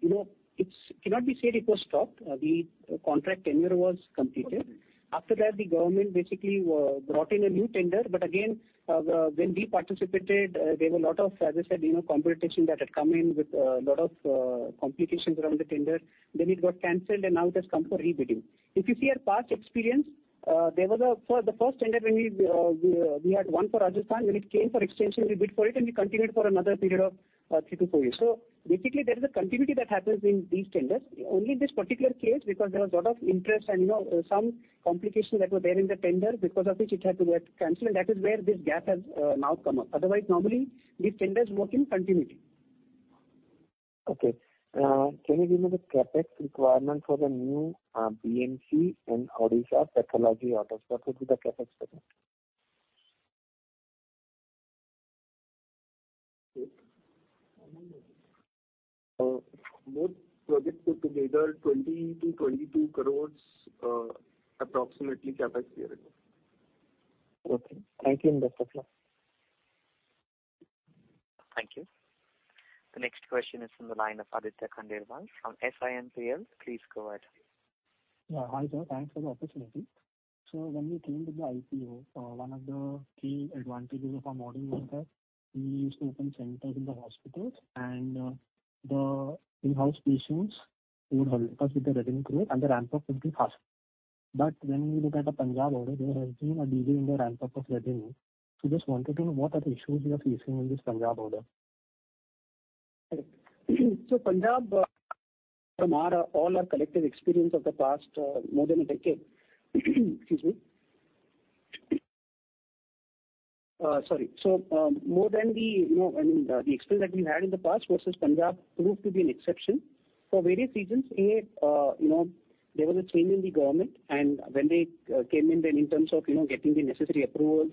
you know, it cannot be said it was stopped. The contract tenure was completed. After that, the Government basically brought in a new tender. Again, when we participated, there were a lot of, as I said, you know, competition that had come in with lot of complications around the tender. It got canceled, and now it has come for rebidding. If you see our past experience, there was for the first tender when we had won for Rajasthan, when it came for extension, we bid for it and we continued for another period of three to four years. Basically there is a continuity that happens in these tenders. Only in this particular case, because there was a lot of interest and, you know, some complications that were there in the tender because of which it had to get canceled. That is where this gap has now come up. Otherwise, normally these tenders work in continuity. Okay. can you give me the CapEx requirement for the new BNP in Odisha pathology autosampler? What would be the CapEx requirement? Both projects put together 20 crore-22 crore, approximately CapEx we are looking. Okay. Thank you. Best of luck. Thank you. The next question is from the line of Aditya Khandelwal from SiMPL. Please go ahead. Yeah. Hi, sir. Thanks for the opportunity. When we came to the IPO, one of the key advantages of our model was that we used to open centers in the hospitals and the in-house patients would help us with the revenue growth and the ramp-up would be faster. When we look at the Punjab order, there has been a delay in the ramp-up of revenue. Just wanted to know what are the issues you are facing in this Punjab order? Punjab, from our, all our collective experience of the past, more than a decade. Excuse me. Sorry. More than the, you know, I mean, the experience that we had in the past versus Punjab proved to be an exception for various reasons. You know, there was a change in the government, and when they came in, then in terms of, you know, getting the necessary approvals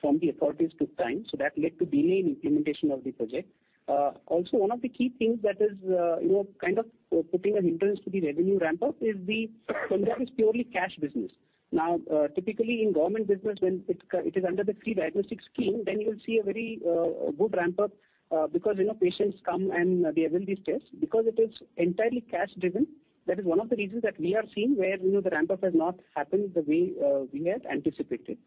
from the authorities took time. That led to delay in implementation of the project. Also one of the key things that is, you know, kind of putting an hindrance to the revenue ramp-up is the Punjab is purely cash business. Typically in government business, when it is under the free diagnostic scheme, then you'll see a very good ramp-up because, you know, patients come and they avail these tests. It is entirely cash driven, that is one of the reasons that we are seeing where, you know, the ramp-up has not happened the way we had anticipated.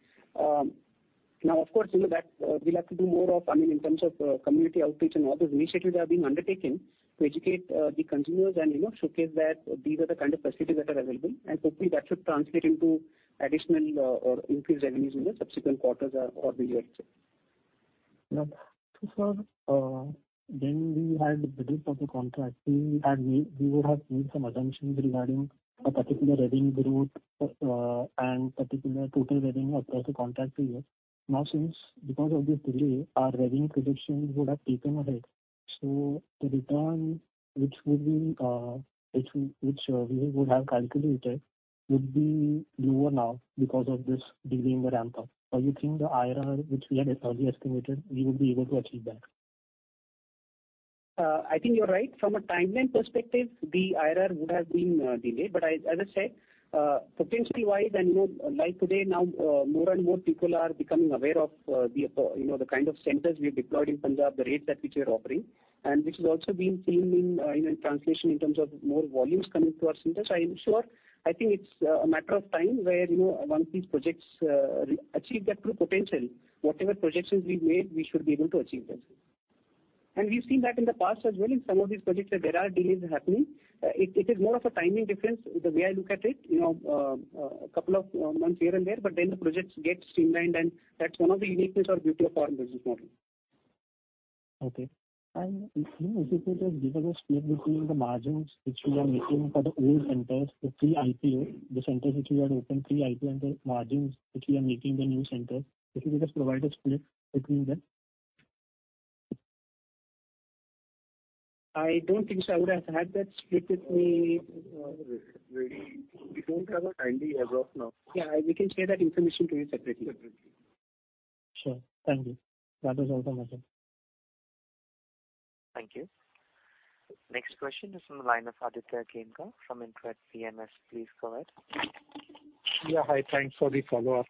Now, of course, you know, that we'll have to do more of, I mean, in terms of community outreach and all those initiatives are being undertaken to educate the consumers and, you know, showcase that these are the kind of facilities that are available. Hopefully that should translate into additional or increased revenues in the subsequent quarters or the year itself. Sir, when we had bid for the contract, we would have made some assumptions regarding a particular revenue growth and particular total revenue across the contract period. Because of this delay, our revenue projection would have taken a hit. The return which we would have calculated would be lower now because of this delay in the ramp-up. Are you think the IRR which we had earlier estimated, we would be able to achieve that? I think you're right. From a timeline perspective, the IRR would have been delayed. As I said, potentially wise and, you know, like today, now, more and more people are becoming aware of the, you know, the kind of centers we've deployed in Punjab, the rates at which we are offering. Which is also being seen in translation in terms of more volumes coming to our centers. I am sure. I think it's a matter of time where, you know, once these projects achieve their true potential, whatever projections we made, we should be able to achieve that. We've seen that in the past as well. In some of these projects that there are delays happening. It is more of a timing difference, the way I look at it, you know. A couple of months here and there, the projects get streamlined, and that's one of the uniqueness of BPL foreign business model. Okay. If you could just give us a split between the margins which you are making for the old centers, the pre-IPO, the centers which you had opened pre-IPO, and the margins which you are making in the new centers. If you could just provide a split between them. I don't think so I would have had that split with me. We don't have a timely as of now. Yeah, we can share that information to you separately. Separately. Sure. Thank you. That was all from my side. Thank you. Next question is from the line of Aditya Khemka from InCred PMS. Please go ahead. Yeah, hi. Thanks for the follow-up.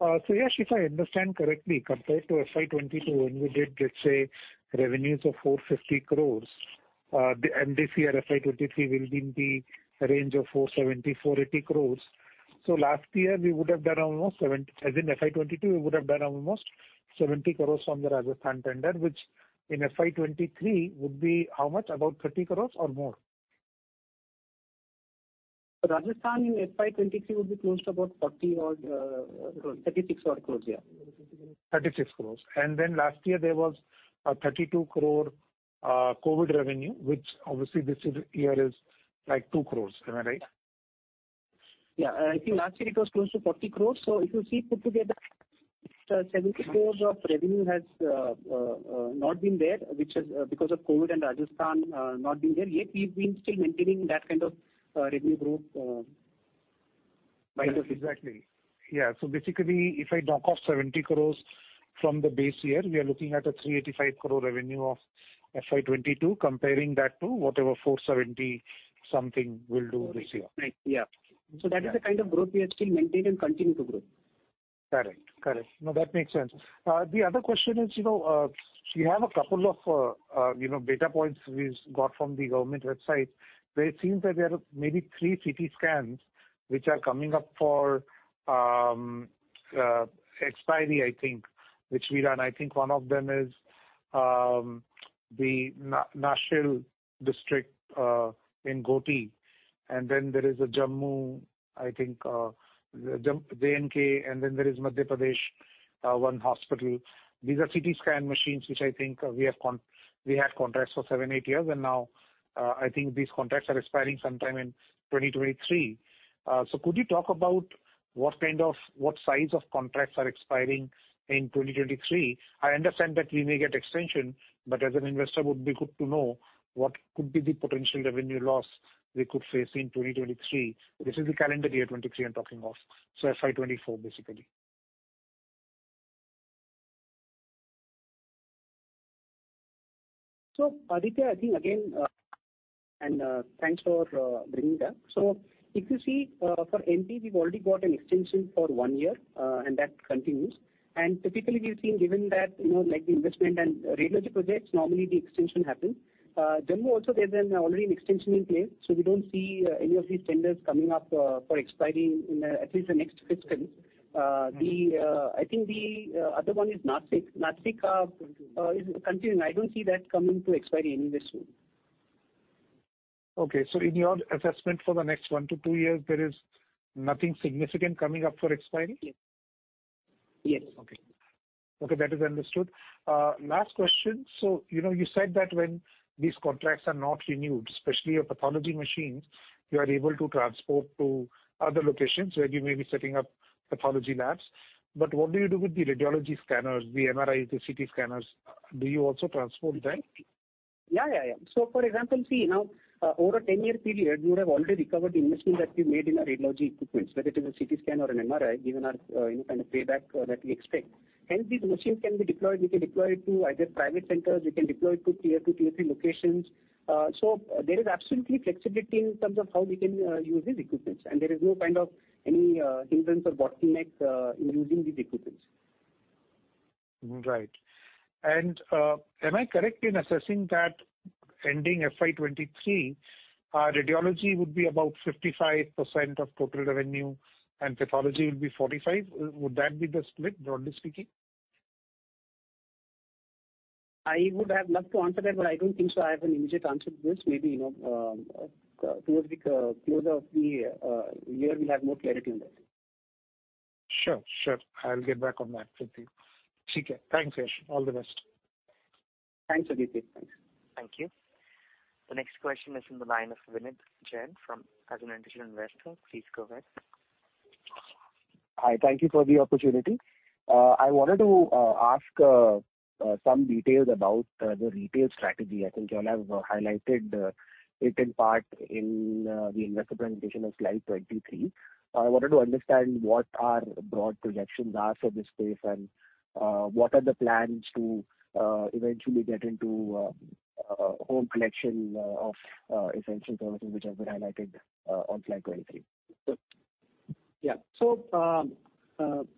Yash, if I understand correctly, compared to FY 2022, when we did, let's say, revenues of 450 crore, this year, FY 2023 will be in the range of 470 crore-480 crore. Last year we would have done almost 70 crore from the Rajasthan tender, which in FY 2023 would be how much? About 30 crore or more? Rajasthan in FY 2023 would be close to about 40 croreor, 36 odd crore, yeah. 36 crore. Last year there was a 32 crore COVID revenue, which obviously this year is like 2 crore. Am I right? Yeah. I think last year it was close to 40 crore. If you see put together, 70 crore of revenue has not been there, which is because of COVID and Rajasthan not being there, yet we've been still maintaining that kind of revenue growth. Exactly. Basically, if I knock off 70 crore from the base year, we are looking at an 385 crore revenue of FY 2022, comparing that to whatever 470 something we'll do this year. Right. Yeah. That is the kind of growth we have still maintained and continue to grow. Correct. Correct. No, that makes sense. The other question is, you know, we have a couple of, you know, data points we got from the government website, where it seems that there are maybe three CT scans which are coming up for expiry, I think, which we run. I think one of them is the Nashik district in Ghoti. Then there is a Jammu, I think, J&K, then there is Madhya Pradesh, one hospital. These are CT scan machines, which I think we had contracts for seven, eight years. Now, I think these contracts are expiring sometime in 2023. Could you talk about what size of contracts are expiring in 2023? I understand that we may get extension, but as an investor would be good to know what could be the potential revenue loss we could face in 2023. This is the calendar year 2023 I'm talking of. FY 2024, basically. Aditya, I think again, thanks for bringing that. If you see, for MP, we've already got an extension for one year, and that continues. Typically, we've seen given that, you know, like the investment and radiology projects, normally the extension happens. Jammu also there's already an extension in place, we don't see any of these tenders coming up for expiring in at least the next fiscal. I think the other one is Nashik. Nashik is continuing. I don't see that coming to expiry any this soon. Okay. In your assessment for the next one to two years, there is nothing significant coming up for expiry? Yes. Okay. Okay, that is understood. Last question. You know, you said that when these contracts are not renewed, especially your pathology machines, you are able to transport to other locations where you may be setting up pathology labs. What do you do with the radiology scanners, the MRIs, the CT scanners? Do you also transport that? Yeah, yeah. For example, see now, over a 10-year period, we would have already recovered the investment that we made in our radiology equipments, whether it is a CT scan or an MRI, given our, you know, kind of payback that we expect. Hence, these machines can be deployed. We can deploy it to either private centers, we can deploy it to Tier two, Tier three locations. There is absolutely flexibility in terms of how we can use these equipments, and there is no kind of any hindrance or bottleneck in using these equipments. Right. Am I correct in assessing that ending FY 2023, radiology would be about 55% of total revenue and pathology will be 45%? Would that be the split, broadly speaking? I would have loved to answer that, but I don't think so I have an immediate answer to this. Maybe, you know, towards the close of the year, we'll have more clarity on that. Sure. I'll get back on that with you. Okay. Thanks, Yash. All the best. Thanks, Aditya. Thanks. Thank you. The next question is from the line of Vineet Jain from as an Individual Investor. Please go ahead. Hi. Thank you for the opportunity. I wanted to ask some details about the retail strategy. I think you all have highlighted it in part in the investor presentation on slide 23. I wanted to understand what our broad projections are for this space and what are the plans to eventually get into home connection of essential services which have been highlighted on FY 2023. Sure. Yeah.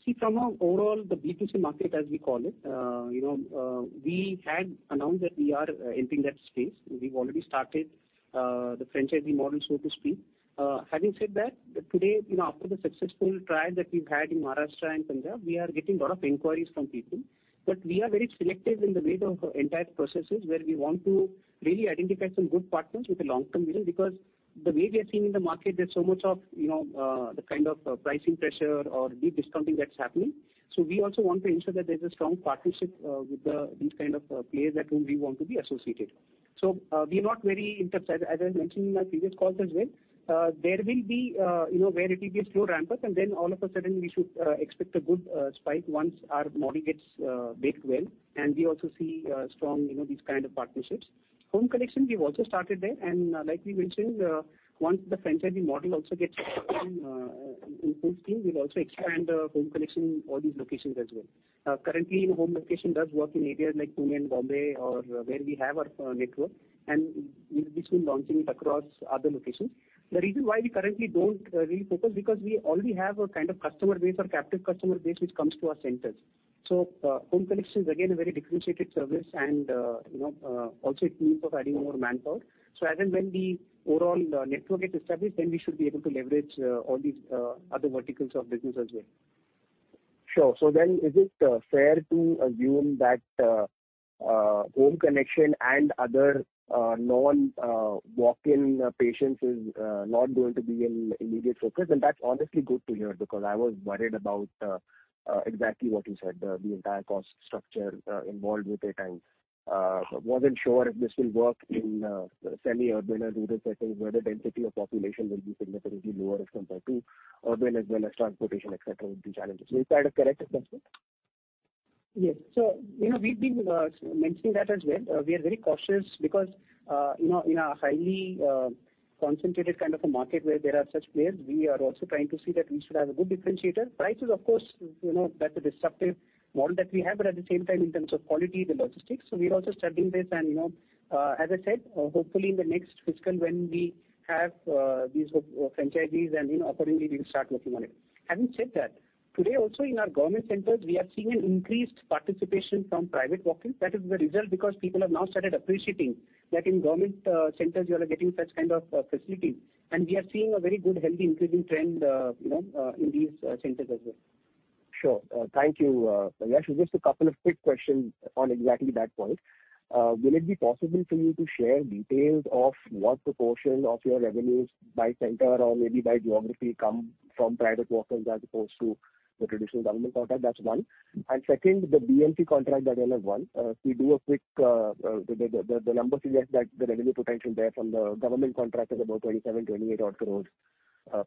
See from our overall the B2C market as we call it, you know, we had announced that we are entering that space. We've already started the franchising model, so to speak. Having said that, today, you know, after the successful trial that we've had in Maharashtra and Punjab, we are getting a lot of inquiries from people. We are very selective in the way the entire process is, where we want to really identify some good partners with a long-term vision. Because the way we are seeing in the market, there's so much of, you know, the kind of pricing pressure or deep discounting that's happening. We also want to ensure that there's a strong partnership with the, these kind of, players that whom we want to be associated. We are not very interested. As I mentioned in my previous calls as well, there will be, you know, where it will be a slow ramp-up, and then all of a sudden we should expect a good spike once our model gets baked well, and we also see strong, you know, these kind of partnerships. Home connection, we've also started there, and like we mentioned, once the franchising model also gets in full swing, we'll also expand home connection in all these locations as well. Currently home connection does work in areas like Pune and Bombay or where we have our network and we've been launching it across other locations. The reason why we currently don't really focus, because we already have a kind of customer base or captive customer base which comes to our centers. Home connection is again a very differentiated service and, you know, also it means adding more manpower. As and when the overall network gets established, then we should be able to leverage all these other verticals of business as well. Sure. Is it fair to assume that home connection and other non walk-in patients is not going to be an immediate focus? That's honestly good to hear, because I was worried about exactly what you said, the entire cost structure involved with it. I wasn't sure if this will work in semi-urban or rural settings, where the density of population will be significantly lower as compared to urban as well as transportation etc., would be challenges. Is that a correct assessment? Yes. You know, we've been mentioning that as well. We are very cautious because, you know, in a highly concentrated kind of a market where there are such players, we are also trying to see that we should have a good differentiator. Price is, of course, you know, that's a disruptive model that we have, but at the same time in terms of quality, the logistics. We are also studying this and, you know, as I said, hopefully in the next fiscal when we have these franchisees and, you know, accordingly we will start working on it. Having said that, today also in our government centers, we are seeing an increased participation from private walk-ins. That is the result because people have now started appreciating that in government centers you are getting such kind of facility. We are seeing a very good, healthy increasing trend, you know, in these centers as well. Sure. Thank you, Yash. Just a couple of quick questions on exactly that point. Will it be possible for you to share details of what proportion of your revenues by center or maybe by geography come from private walk-ins as opposed to the traditional government contract? That's one. Second, the BMC contract that you have won. If we do a quick, the numbers suggest that the revenue potential there from the government contract is about 27 crore, 28 odd crore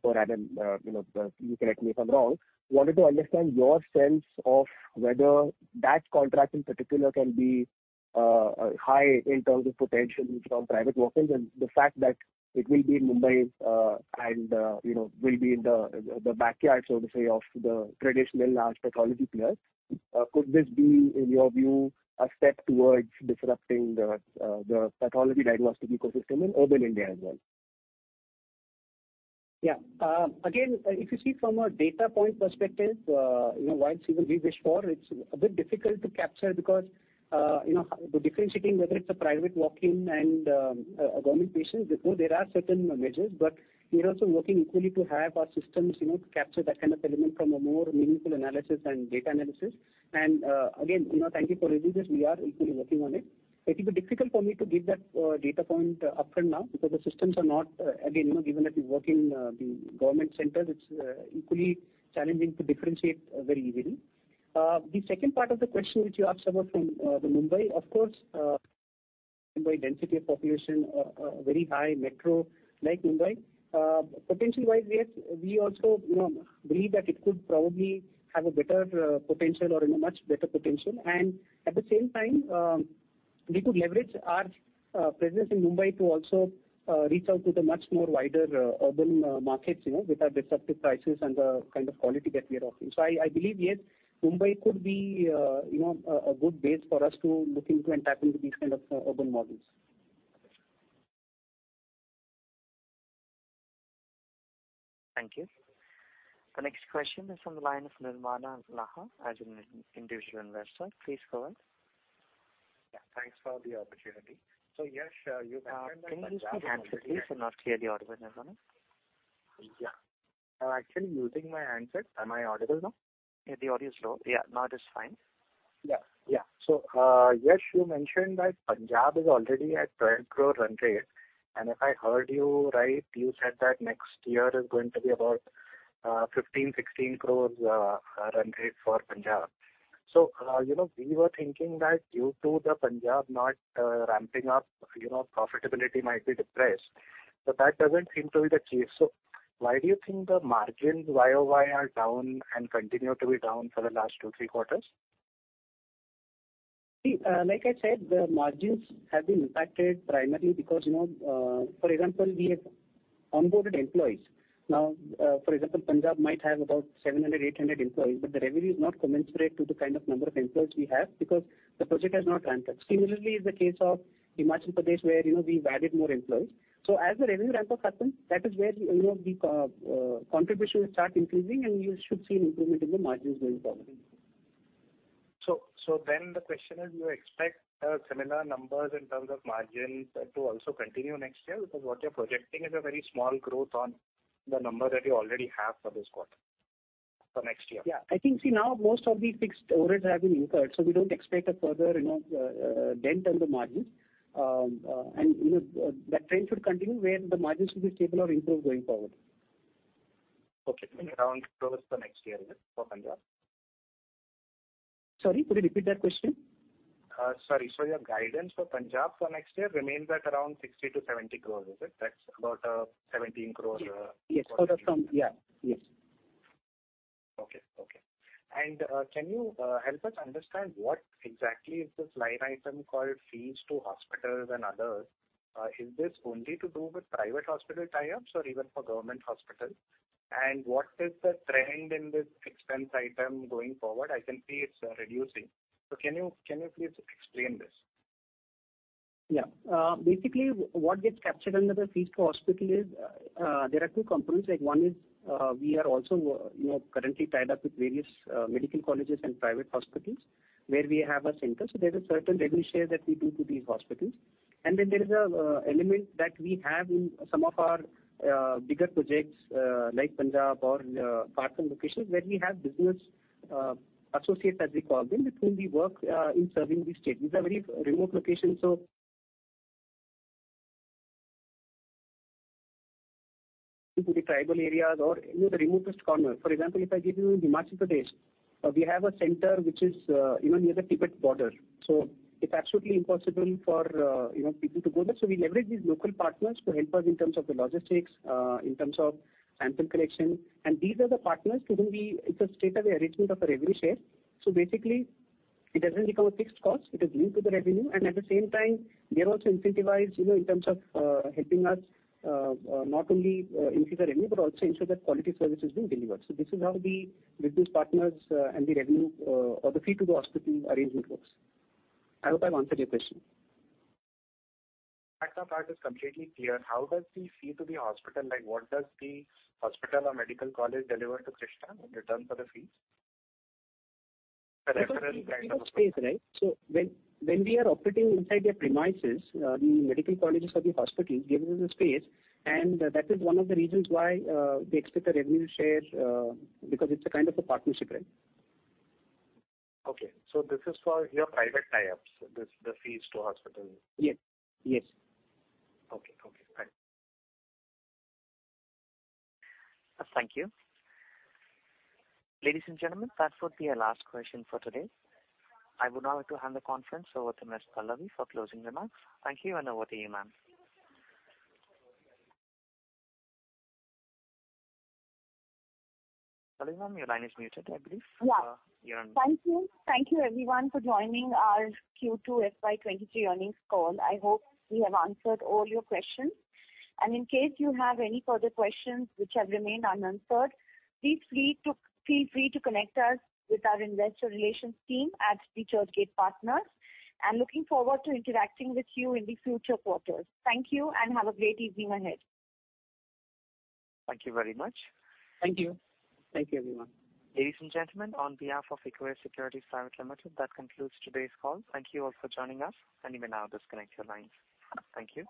per annum. You know, you correct me if I'm wrong. Wanted to understand your sense of whether that contract in particular can be high in terms of potential from private walk-ins. The fact that it will be in Mumbai, and, you know, will be in the backyard, so to say, of the traditional large pathology players. Could this be, in your view, a step towards disrupting the pathology diagnostic ecosystem in urban India as well? Yeah. Again, if you see from a data point perspective, you know, while it's even we wish for, it's a bit difficult to capture because, you know, the differentiating whether it's a private walk-in and a government patient, before there are certain measures. We are also working equally to have our systems, you know, to capture that kind of element from a more meaningful analysis and data analysis. Again, you know, thank you for raising this. We are equally working on it. It will be difficult for me to give that data point upfront now because the systems are not, again, you know, given that we work in the government centers, it's equally challenging to differentiate very easily. The second part of the question which you asked about from the Mumbai, of course, Mumbai density of population, very high metro like Mumbai. Potential wise, we also, you know, believe that it could probably have a better potential or, you know, much better potential. At the same time, we could leverage our presence in Mumbai to also reach out to the much more wider urban markets, you know, with our disruptive prices and the kind of quality that we are offering. I believe, yes, Mumbai could be, you know, a good base for us to look into and tap into these kind of urban markets. Thank you. The next question is from the line of Nirvana Laha, as an individual investor. Please go ahead. Yeah, thanks for the opportunity. Yash, you've mentioned that- Can you use your handset please? You're not clear the audio, Nirvana. Yeah. I'm actually using my handset. Am I audible now? Yeah, the audio is low. Yeah. Now it is fine. Yeah. Yeah. Yash you mentioned that Punjab is already at 12 crore run rate. If I heard you right, you said that next year is going to be about 15 crore-16 crore run rate for Punjab. You know, we were thinking that due to the Punjab not ramping up, you know, profitability might be depressed, but that doesn't seem to be the case. Why do you think the margins YoY are down and continue to be down for the last two, three quarters? Like I said, the margins have been impacted primarily because, you know, for example, we have onboarded employees. Now, for example, Punjab might have about 700, 800 employees, but the revenue is not commensurate to the kind of number of employees we have because the project has not ramped up. Similarly is the case of Himachal Pradesh, where, you know, we've added more employees. As the revenue ramp-up happens, that is where we, you know, the contribution will start increasing, and you should see an improvement in the margins going forward. The question is: do you expect similar numbers in terms of margins to also continue next year? Because what you're projecting is a very small growth on the number that you already have for this quarter, for next year. Yeah. I think, see now most of the fixed overheads have been incurred. We don't expect a further, you know, dent on the margins. You know, that trend should continue where the margins will be stable or improve going forward. Okay. Around growth for next year for Punjab. Sorry, could you repeat that question? Sorry. Your guidance for Punjab for next year remains at around 60 crore-70 crore, is it? That's about 70 crore. Yes. Yeah. Yes. Okay. Okay. Can you help us understand what exactly is this line item called fees to hospitals and others? Is this only to do with private hospital tie-ups or even for government hospitals? What is the trend in this expense item going forward? I can see it's reducing. Can you please explain this? Basically what gets captured under the fees to hospital is there are two components. One is, we are also, you know, currently tied up with various medical colleges and private hospitals where we have a center. There's a certain revenue share that we do to these hospitals. There is a element that we have in some of our bigger projects, like Punjab or far-flung locations where we have business associates, as we call them, between the work in serving the state. These are very remote locations, into the tribal areas or, you know, the remotest corner. For example, if I give you Himachal Pradesh, we have a center which is, you know, near the Tibet border. It's absolutely impossible for, you know, people to go there. We leverage these local partners to help us in terms of the logistics, in terms of sample collection. These are the partners. It's a straightaway arrangement of a revenue share. Basically it doesn't become a fixed cost. It is linked to the revenue. At the same time, they are also incentivized, you know, in terms of helping us, not only increase the revenue but also ensure that quality service is being delivered. This is how the business partners and the revenue, or the fee to the hospital arrangement works. I hope I've answered your question. That part is completely clear. How does the fee to the hospital, like what does the hospital or medical college deliver to Krsnaa in return for the fees? We need the space, right? When we are operating inside their premises, the medical colleges or the hospitals give us the space, and that is one of the reasons why they expect a revenue share, because it's a kind of a partnership, right? Okay. This is for your private tie-ups, this, the fees to hospital. Yes. Yes. Okay. Okay. Thanks. Thank you. Ladies and gentlemen, that would be our last question for today. I would now like to hand the conference over to Ms. Pallavi for closing remarks. Thank you. Over to you, ma'am. Pallavi, ma'am, your line is muted, I believe. Yeah. You're on mute. Thank you. Thank you everyone for joining our Q2 FY 2023 earnings call. I hope we have answered all your questions. In case you have any further questions which have remained unanswered, feel free to connect us with our investor relations team at Beachhead Capital Partners. I'm looking forward to interacting with you in the future quarters. Thank you. Have a great evening ahead. Thank you very much. Thank you. Thank you, everyone. Ladies and gentlemen, on behalf of Equirus Securities Private Limited, that concludes today's call. Thank you all for joining us and you may now disconnect your lines. Thank you.